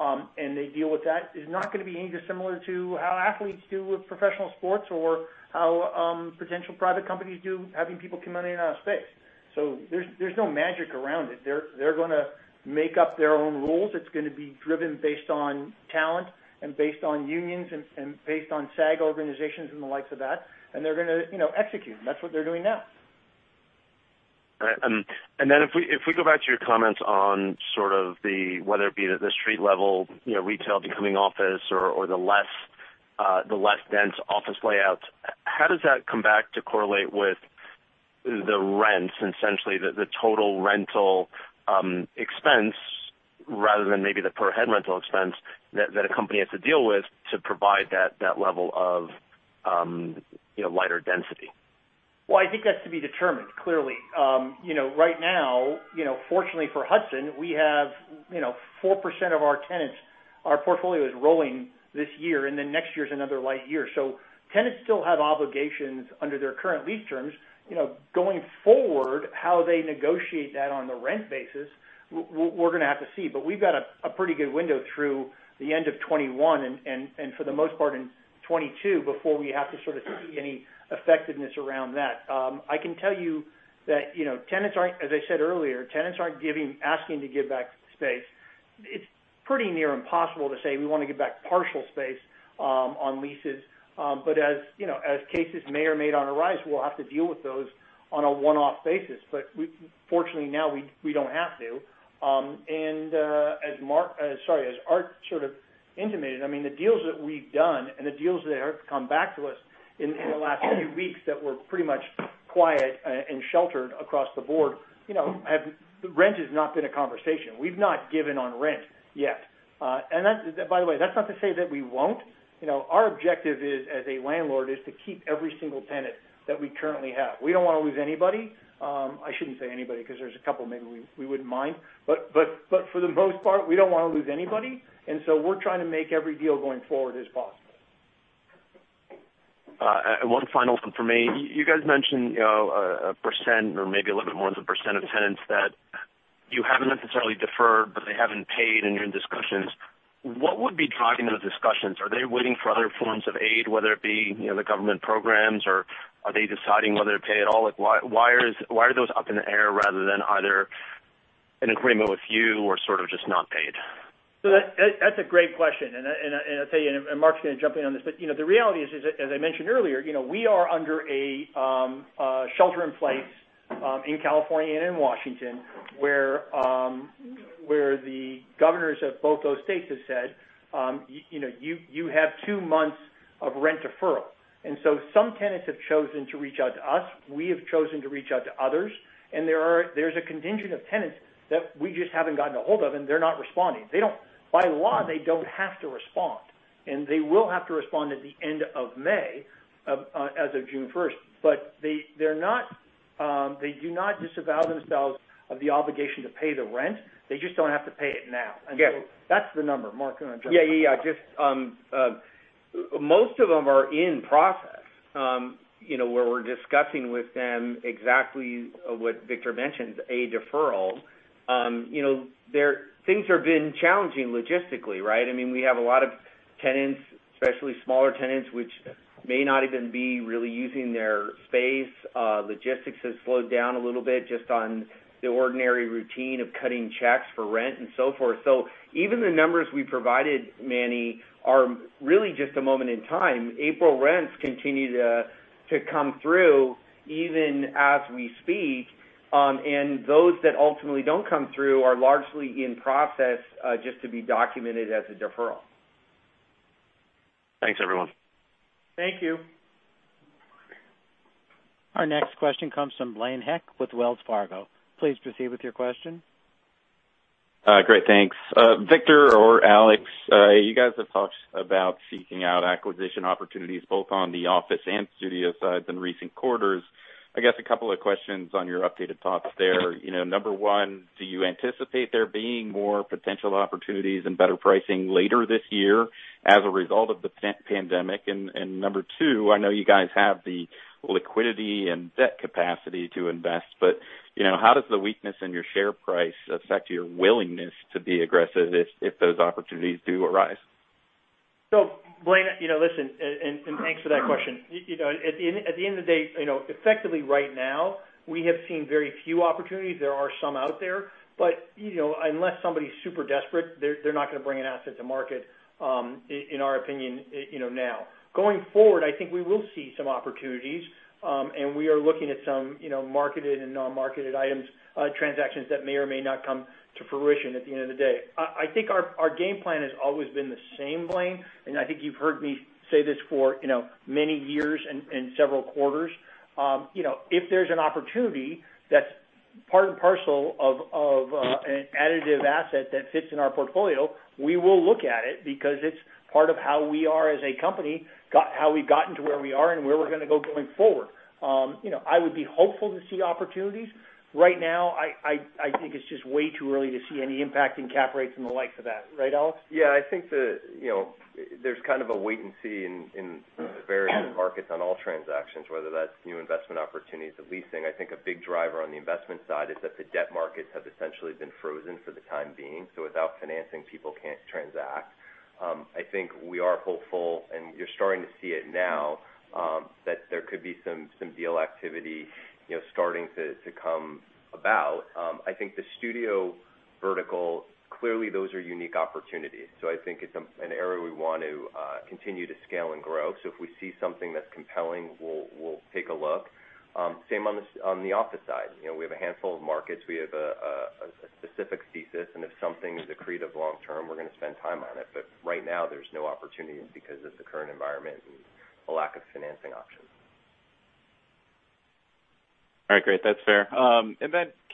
and they deal with that is not going to be any dissimilar to how athletes do with professional sports or how potential private companies do, having people come in and out of space. There's no magic around it. They're going to make up their own rules. It's going to be driven based on talent and based on unions and based on SAG organizations and the likes of that. They're going to execute, and that's what they're doing now. All right. If we go back to your comments on sort of the, whether it be the street level retail becoming office or the less dense office layouts, how does that come back to correlate with the rents, essentially the total rental expense rather than maybe the per head rental expense that a company has to deal with to provide that level of lighter density? Well, I think that's to be determined, clearly. Right now, fortunately for Hudson, we have 4% of our tenants. Our portfolio is rolling this year, and then next year's another light year. Tenants still have obligations under their current lease terms. Going forward, how they negotiate that on the rent basis, we're going to have to see. We've got a pretty good window through the end of 2021 and for the most part in 2022 before we have to sort of see any effectiveness around that. I can tell you that tenants aren't, as I said earlier, tenants aren't asking to give back space. It's pretty near impossible to say we want to give back partial space on leases. As cases may or may not arise, we'll have to deal with those on a one-off basis. Fortunately, now we don't have to. As Art sort of intimated, the deals that we've done and the deals that have come back to us in the last few weeks that were pretty much quiet and sheltered across the board, rent has not been a conversation. We've not given on rent yet. By the way, that's not to say that we won't. Our objective as a landlord is to keep every single tenant that we currently have. We don't want to lose anybody. I shouldn't say anybody because there's a couple maybe we wouldn't mind. For the most part, we don't want to lose anybody, and so we're trying to make every deal going forward as possible. One final one from me. You guys mentioned 1% or maybe a little bit more than 1% of tenants that you haven't necessarily deferred, but they haven't paid, and you're in discussions. What would be driving those discussions? Are they waiting for other forms of aid, whether it be the government programs, or are they deciding whether to pay at all? Why are those up in the air rather than either an agreement with you or sort of just not paid? That's a great question, and I'll tell you, and Mark's going to jump in on this, but the reality is, as I mentioned earlier, we are under a shelter in place in California and in Washington, where the governors of both those states have said you have two months of rent deferral. Some tenants have chosen to reach out to us. We have chosen to reach out to others, and there's a contingent of tenants that we just haven't gotten a hold of, and they're not responding. By law, they don't have to respond, and they will have to respond at the end of May as of June 1st. They do not disavow themselves of the obligation to pay the rent. They just don't have to pay it now. Yes. That's the number. Mark going to jump in. Yeah. Most of them are in process. Where we're discussing with them exactly what Victor mentioned, a deferral. Things have been challenging logistically, right? We have a lot of tenants, especially smaller tenants, which may not even be really using their space. Logistics has slowed down a little bit just on the ordinary routine of cutting checks for rent and so forth. Even the numbers we provided, Emmanuel, are really just a moment in time. April rents continue to come through even as we speak. Those that ultimately don't come through are largely in process just to be documented as a deferral. Thanks, everyone. Thank you. Our next question comes from Blaine Heck with Wells Fargo. Please proceed with your question. Great. Thanks. Victor or Alex, you guys have talked about seeking out acquisition opportunities both on the office and studio sides in recent quarters. I guess a couple of questions on your updated thoughts there. Number one, do you anticipate there being more potential opportunities and better pricing later this year as a result of the pandemic? Number two, I know you guys have the liquidity and debt capacity to invest, but how does the weakness in your share price affect your willingness to be aggressive if those opportunities do arise? Blaine, listen, and thanks for that question. At the end of the day, effectively right now, we have seen very few opportunities. There are some out there, but unless somebody's super desperate, they're not going to bring an asset to market, in our opinion, now. Going forward, I think we will see some opportunities. We are looking at some marketed and non-marketed items, transactions that may or may not come to fruition at the end of the day. I think our game plan has always been the same, Blaine, and I think you've heard me say this for many years and several quarters. If there's an opportunity that's part and parcel of an additive asset that fits in our portfolio, we will look at it because it's part of how we are as a company, how we've gotten to where we are, and where we're going to go going forward. I would be hopeful to see opportunities. Right now, I think it's just way too early to see any impact in cap rates and the like for that. Right, Alex? I think there's kind of a wait and see in various markets on all transactions, whether that's new investment opportunities or leasing. I think a big driver on the investment side is that the debt markets have essentially been frozen for the time being. Without financing, people can't transact. I think we are hopeful, and you're starting to see it now, that there could be some deal activity starting to come about. I think the studio vertical, clearly those are unique opportunities. I think it's an area we want to continue to scale and grow. If we see something that's compelling, we'll take a look. Same on the office side. We have a handful of markets. We have a specific thesis, and if something is accretive long-term, we're going to spend time on it. Right now, there's no opportunities because of the current environment and the lack of financing options. All right, great. That's fair.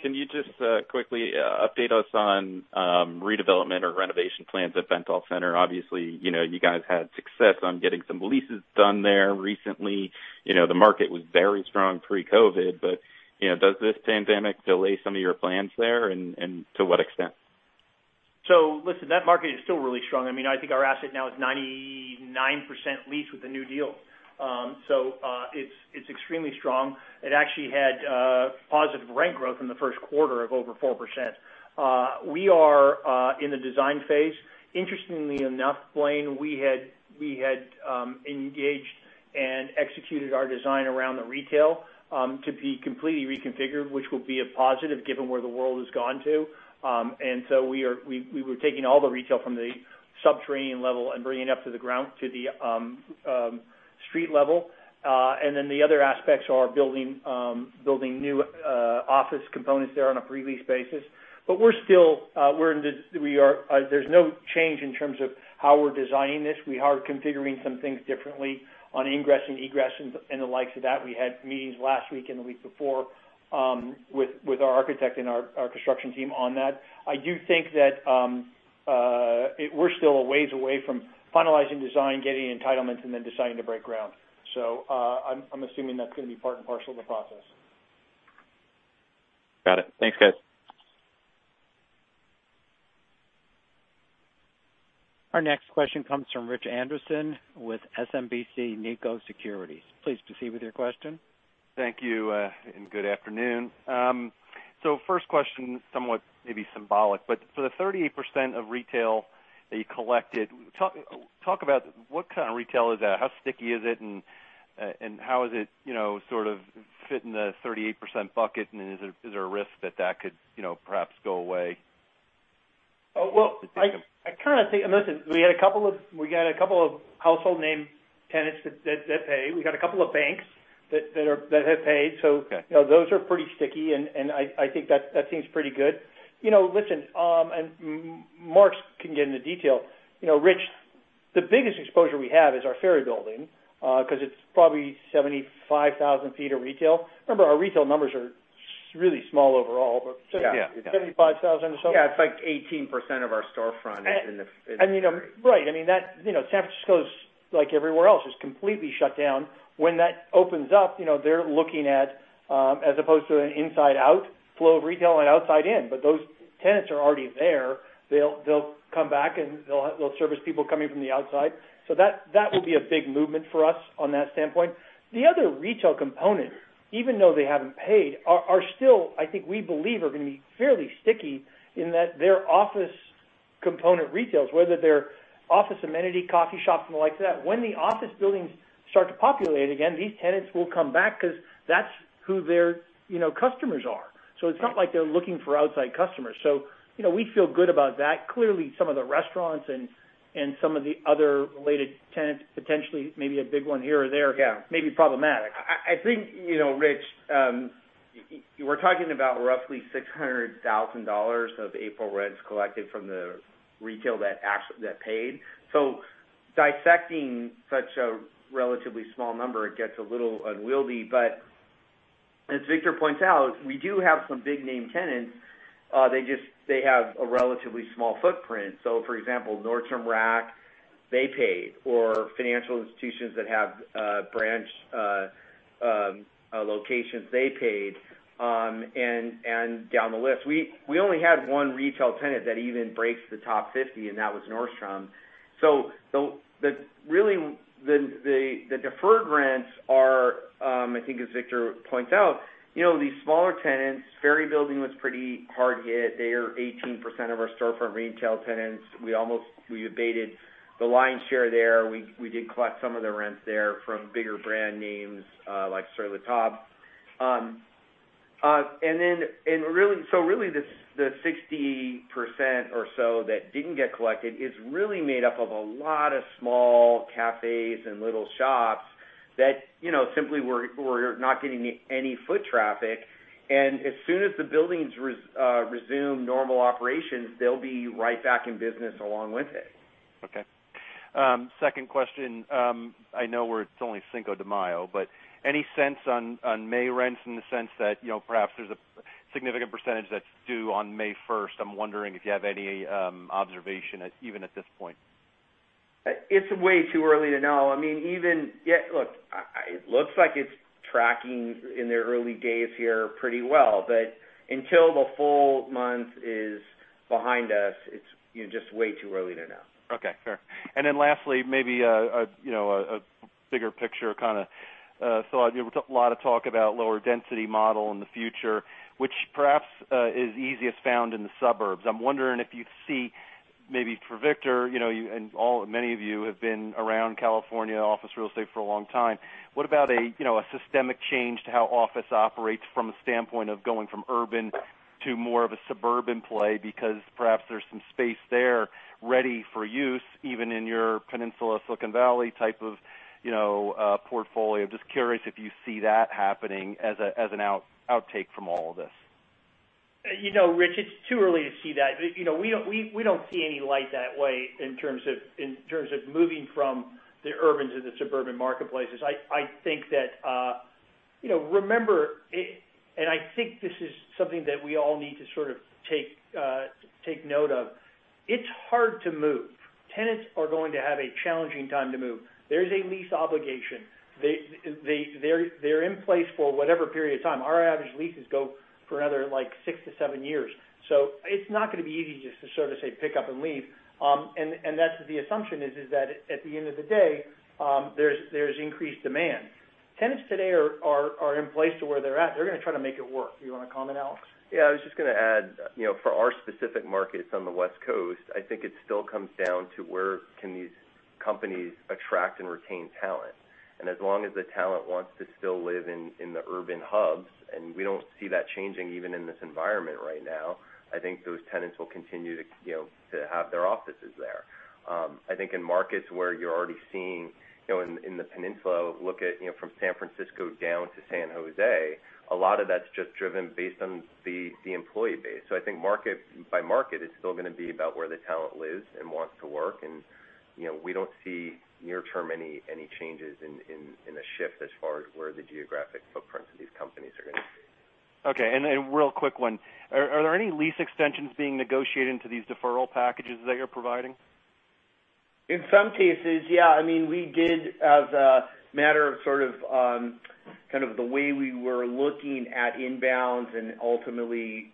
Can you just quickly update us on redevelopment or renovation plans at Bentall Centre? Obviously, you guys had success on getting some leases done there recently. The market was very strong pre-COVID, does this pandemic delay some of your plans there, and to what extent? Listen, that market is still really strong. I think our asset now is 99% leased with the new deal. It's extremely strong. It actually had positive rent growth in the first quarter of over 4%. We are in the design phase. Interestingly enough, Blaine, we had engaged and executed our design around the retail to be completely reconfigured, which will be a positive given where the world has gone to. We were taking all the retail from the subterranean level and bringing it up to the ground to the street level. The other aspects are building new office components there on a pre-lease basis. There's no change in terms of how we're designing this. We are configuring some things differently on ingress and egress and the likes of that. We had meetings last week and the week before with our architect and our construction team on that. I do think that we're still a ways away from finalizing design, getting entitlements, and then deciding to break ground. I'm assuming that's going to be part and parcel of the process. Got it. Thanks, guys. Our next question comes from Rich Anderson with SMBC Nikko Securities. Please proceed with your question. Thank you and good afternoon. First question, somewhat maybe symbolic, but for the 38% of retail that you collected, talk about what kind of retail is that? How sticky is it, and how does it sort of fit in the 38% bucket, and is there a risk that that could perhaps go away? Well, I kind of think listen, we got a couple of household name tenants that pay. We got a couple of banks that have paid. Okay. Those are pretty sticky, and I think that seems pretty good. Listen, Mark can get into detail. Rich, the biggest exposure we have is our Ferry Building, because it's probably 75,000 ft of retail. Remember, our retail numbers are really small overall. Yeah. 75,000 ft or so. Yeah. It's like 18% of our storefront in the. Right. San Francisco's like everywhere else, just completely shut down. When that opens up, they're looking at, as opposed to an inside out flow of retail, an outside in. Those tenants are already there. They'll come back. They'll service people coming from the outside. That will be a big movement for us on that standpoint. The other retail component, even though they haven't paid, are still, I think we believe are going to be fairly sticky in that their office component retails, whether they're office amenity coffee shops and the like that. When the office buildings start to populate again, these tenants will come back because that's who their customers are. It's not like they're looking for outside customers. We feel good about that. Clearly, some of the restaurants and some of the other related tenants, potentially maybe a big one here or there. Yeah may be problematic. I think, Rich, we're talking about roughly $600,000 of April rents collected from the retail that paid. Dissecting such a relatively small number, it gets a little unwieldy, but as Victor points out, we do have some big-name tenants. They have a relatively small footprint. For example, Nordstrom Rack, they paid, or financial institutions that have branch locations, they paid, down the list. We only had one retail tenant that even breaks the top 50, that was Nordstrom. Really, the deferred rents are, I think as Victor points out, these smaller tenants, Ferry Building was pretty hard hit. They are 18% of our storefront retail tenants. We abated the lion's share there. We did collect some of the rents there from bigger brand names, like Sur La Table. Really the 60% or so that didn't get collected is really made up of a lot of small cafes and little shops that simply were not getting any foot traffic. As soon as the buildings resume normal operations, they'll be right back in business along with it. Okay. Second question. I know it's only Cinco de Mayo. Any sense on May rents in the sense that perhaps there's a significant percentage that's due on May 1st? I'm wondering if you have any observation, even at this point. It's way too early to know. Look, it looks like it's tracking in the early days here pretty well, but until the full month is behind us, it's just way too early to know. Okay, fair. Lastly, maybe a bigger picture kind of thought. A lot of talk about lower density model in the future, which perhaps is easiest found in the suburbs. I'm wondering if you see, maybe for Victor, many of you have been around California office real estate for a long time, what about a systemic change to how office operates from a standpoint of going from urban to more of a suburban play? Perhaps there's some space there ready for use, even in your Peninsula, Silicon Valley type of portfolio. Just curious if you see that happening as an outtake from all of this. Rich, it's too early to see that. We don't see any light that way in terms of moving from the urban to the suburban marketplaces. I think this is something that we all need to sort of take note of. It's hard to move. Tenants are going to have a challenging time to move. There is a lease obligation. They're in place for whatever period of time. Our average leases go for another six to seven years. It's not going to be easy just to sort of say pick up and leave. That's the assumption is that at the end of the day, there's increased demand. Tenants today are in place to where they're at. They're going to try to make it work. Do you want to comment, Alex? Yeah, I was just going to add, for our specific markets on the West Coast, I think it still comes down to where can these companies attract and retain talent. As long as the talent wants to still live in the urban hubs, and we don't see that changing even in this environment right now, I think those tenants will continue to have their offices there. I think in markets where you're already seeing in the peninsula, look at from San Francisco down to San Jose, a lot of that's just driven based on the employee base. I think market by market is still going to be about where the talent lives and wants to work. We don't see near term any changes in a shift as far as where the geographic footprints of these companies are going to be. Okay. A real quick one. Are there any lease extensions being negotiated into these deferral packages that you're providing? In some cases, yeah. We did as a matter of sort of the way we were looking at inbounds and ultimately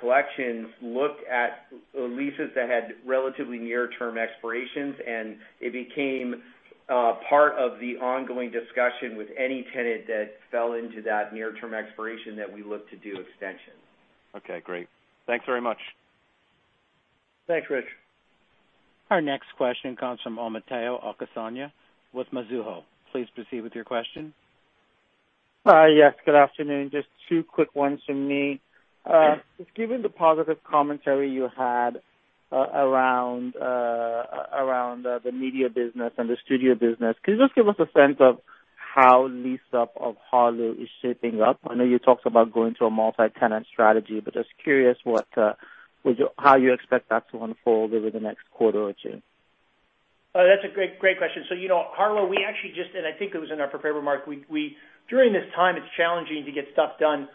collections looked at leases that had relatively near-term expirations, and it became part of the ongoing discussion with any tenant that fell into that near-term expiration that we look to do extensions. Okay, great. Thanks very much. Thanks, Rich. Our next question comes from Omotayo Okusanya with Mizuho. Please proceed with your question. Yes, good afternoon. Just two quick ones from me. Given the positive commentary you had around the media business and the studio business, could you just give us a sense of how lease-up of Harlow is shaping up? I know you talked about going to a multi-tenant strategy, but just curious how you expect that to unfold over the next quarter or two. That's a great question. Harlow, we actually I think it was in our prepared remarks, during this time, it's challenging to get stuff done,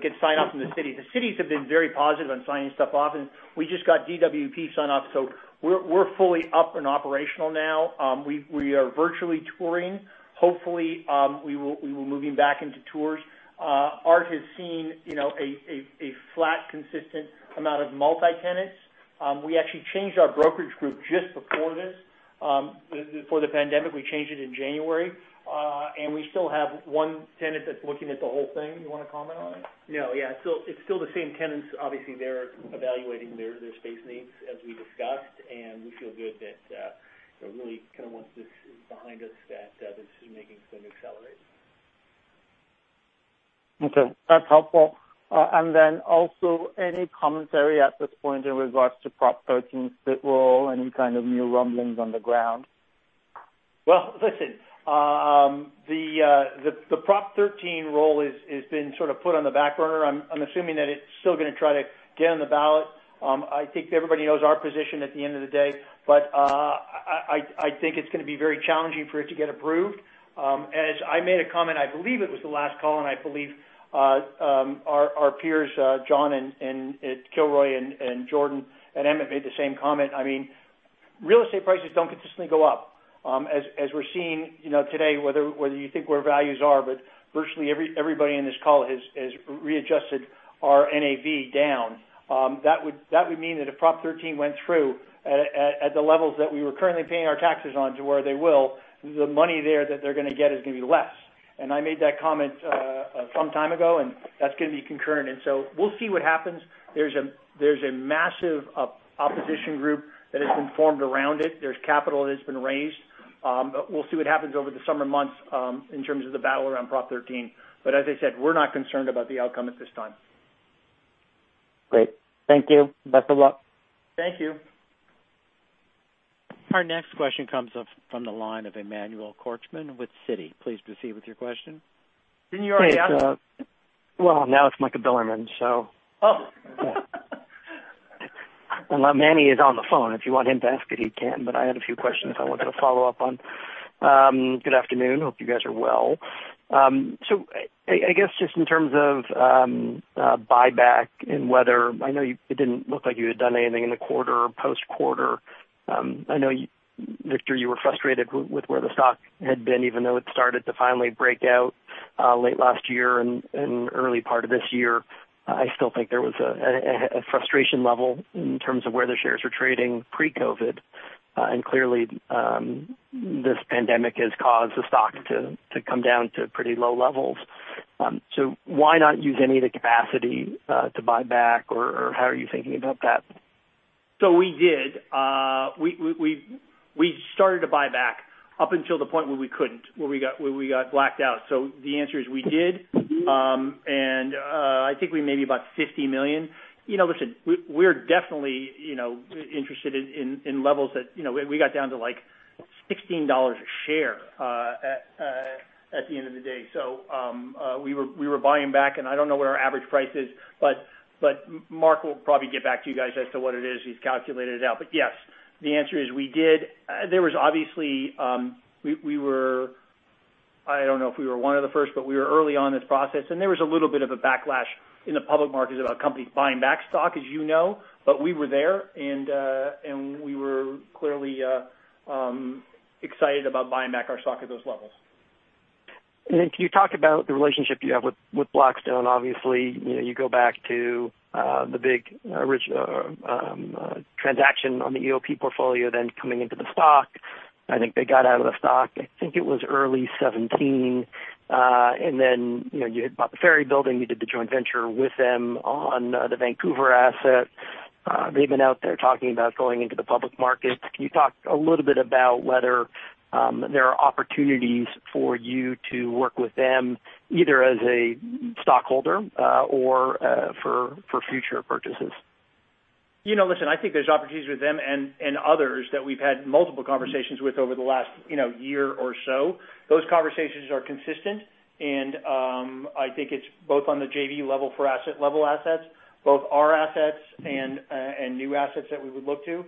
get sign-offs in the city. The cities have been very positive on signing stuff off, and we just got DWP sign-off, so we're fully up and operational now. We are virtually touring. Hopefully, we will be moving back into tours. Art has seen a flat, consistent amount of multi-tenants. We actually changed our brokerage group before the pandemic. We changed it in January. We still have one tenant that's looking at the whole thing. You want to comment on it? No. Yeah. It's still the same tenants. Obviously, they're evaluating their space needs, as we discussed, and we feel good that really kind of once this is behind us, that decision-making is going to accelerate. Okay. That's helpful. Also, any commentary at this point in regards to Prop 13's split roll, any kind of new rumblings on the ground? Well, listen. The Prop 13 roll has been sort of put on the back burner. I'm assuming that it's still going to try to get on the ballot. I think everybody knows our position at the end of the day. I think it's going to be very challenging for it to get approved. As I made a comment, I believe it was the last call, and I believe our peers, John at Kilroy and Jordan at Emmett made the same comment. I mean, real estate prices don't consistently go up. As we're seeing today, whether you think where values are, virtually everybody on this call has readjusted our NAV down. That would mean that if Prop 13 went through at the levels that we were currently paying our taxes on to where they will, the money there that they're going to get is going to be less. I made that comment some time ago, and that's going to be concurrent. We'll see what happens. There's a massive opposition group that has been formed around it. There's capital that has been raised. We'll see what happens over the summer months in terms of the battle around Prop 13. As I said, we're not concerned about the outcome at this time. Great. Thank you. Best of luck. Thank you. Our next question comes from the line of Emmanuel Korchman with Citi. Please proceed with your question. Didn't you already ask? Well, now it's Michael Bilerman. Oh. Emmanuel is on the phone if you want him to ask it, he can, but I had a few questions I wanted to follow up on. Good afternoon. Hope you guys are well. I guess just in terms of buyback and I know it didn't look like you had done anything in the quarter or post-quarter. I know, Victor, you were frustrated with where the stock had been, even though it started to finally break out late last year and early part of this year. I still think there was a frustration level in terms of where the shares were trading pre-COVID. Clearly, this pandemic has caused the stock to come down to pretty low levels. Why not use any of the capacity to buy back, or how are you thinking about that? We did. We started to buy back up until the point where we couldn't, where we got blacked out. The answer is we did. I think we maybe bought $50 million. Listen, we're definitely interested in levels that we got down to like $16 a share at the end of the day. We were buying back, and I don't know what our average price is, but Mark will probably get back to you guys as to what it is. He's calculated it out. Yes, the answer is we did. There was obviously, I don't know if we were one of the first, but we were early on this process, and there was a little bit of a backlash in the public markets about companies buying back stock, as you know. We were there, and we were clearly excited about buying back our stock at those levels. Can you talk about the relationship you have with Blackstone? Obviously, you go back to the big original transaction on the EOP portfolio, then coming into the stock. I think they got out of the stock. I think it was early 2017. You had bought the Ferry Building. You did the joint venture with them on the Vancouver asset. They've been out there talking about going into the public markets. Can you talk a little bit about whether there are opportunities for you to work with them, either as a stockholder or for future purchases? Listen, I think there's opportunities with them and others that we've had multiple conversations with over the last year or so. Those conversations are consistent, and I think it's both on the JV level for asset level assets, both our assets and new assets that we would look to,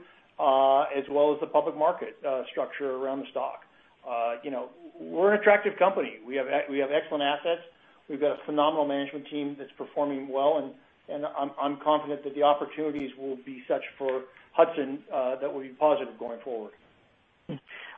as well as the public market structure around the stock. We're an attractive company. We have excellent assets. We've got a phenomenal management team that's performing well, and I'm confident that the opportunities will be such for Hudson that we'll be positive going forward.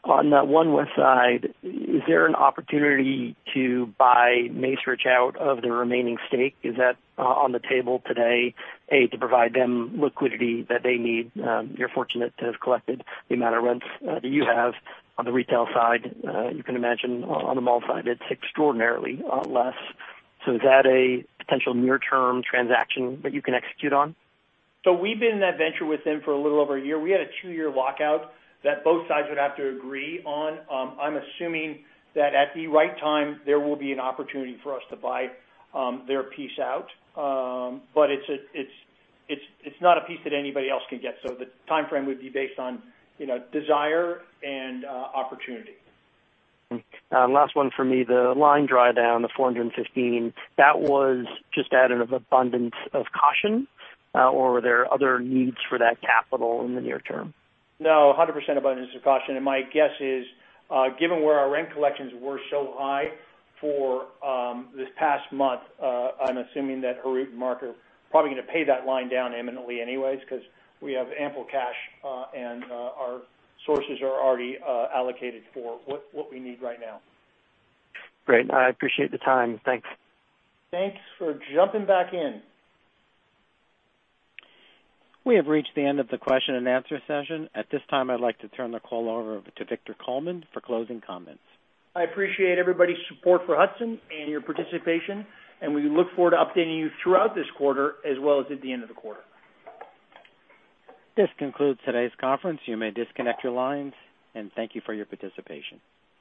On One Westside, is there an opportunity to buy Macerich out of their remaining stake? Is that on the table today to provide them liquidity that they need? You're fortunate to have collected the amount of rents that you have on the retail side. You can imagine on the mall side, it's extraordinarily less. Is that a potential near-term transaction that you can execute on? We've been in that venture with them for a little over a year. We had a two-year lockout that both sides would have to agree on. I'm assuming that at the right time, there will be an opportunity for us to buy their piece out. It's not a piece that anybody else can get. The timeframe would be based on desire and opportunity. Last one for me. The line draw down, the $415, that was just out of abundance of caution, or were there other needs for that capital in the near term? No, 100% abundance of caution. My guess is, given where our rent collections were so high for this past month, I'm assuming that Harout and Mark are probably going to pay that line down imminently anyways because we have ample cash, our sources are already allocated for what we need right now. Great. I appreciate the time. Thanks. Thanks for jumping back in. We have reached the end of the question and answer session. At this time, I'd like to turn the call over to Victor Coleman for closing comments. I appreciate everybody's support for Hudson and your participation, and we look forward to updating you throughout this quarter as well as at the end of the quarter. This concludes today's conference. You may disconnect your lines, and thank you for your participation.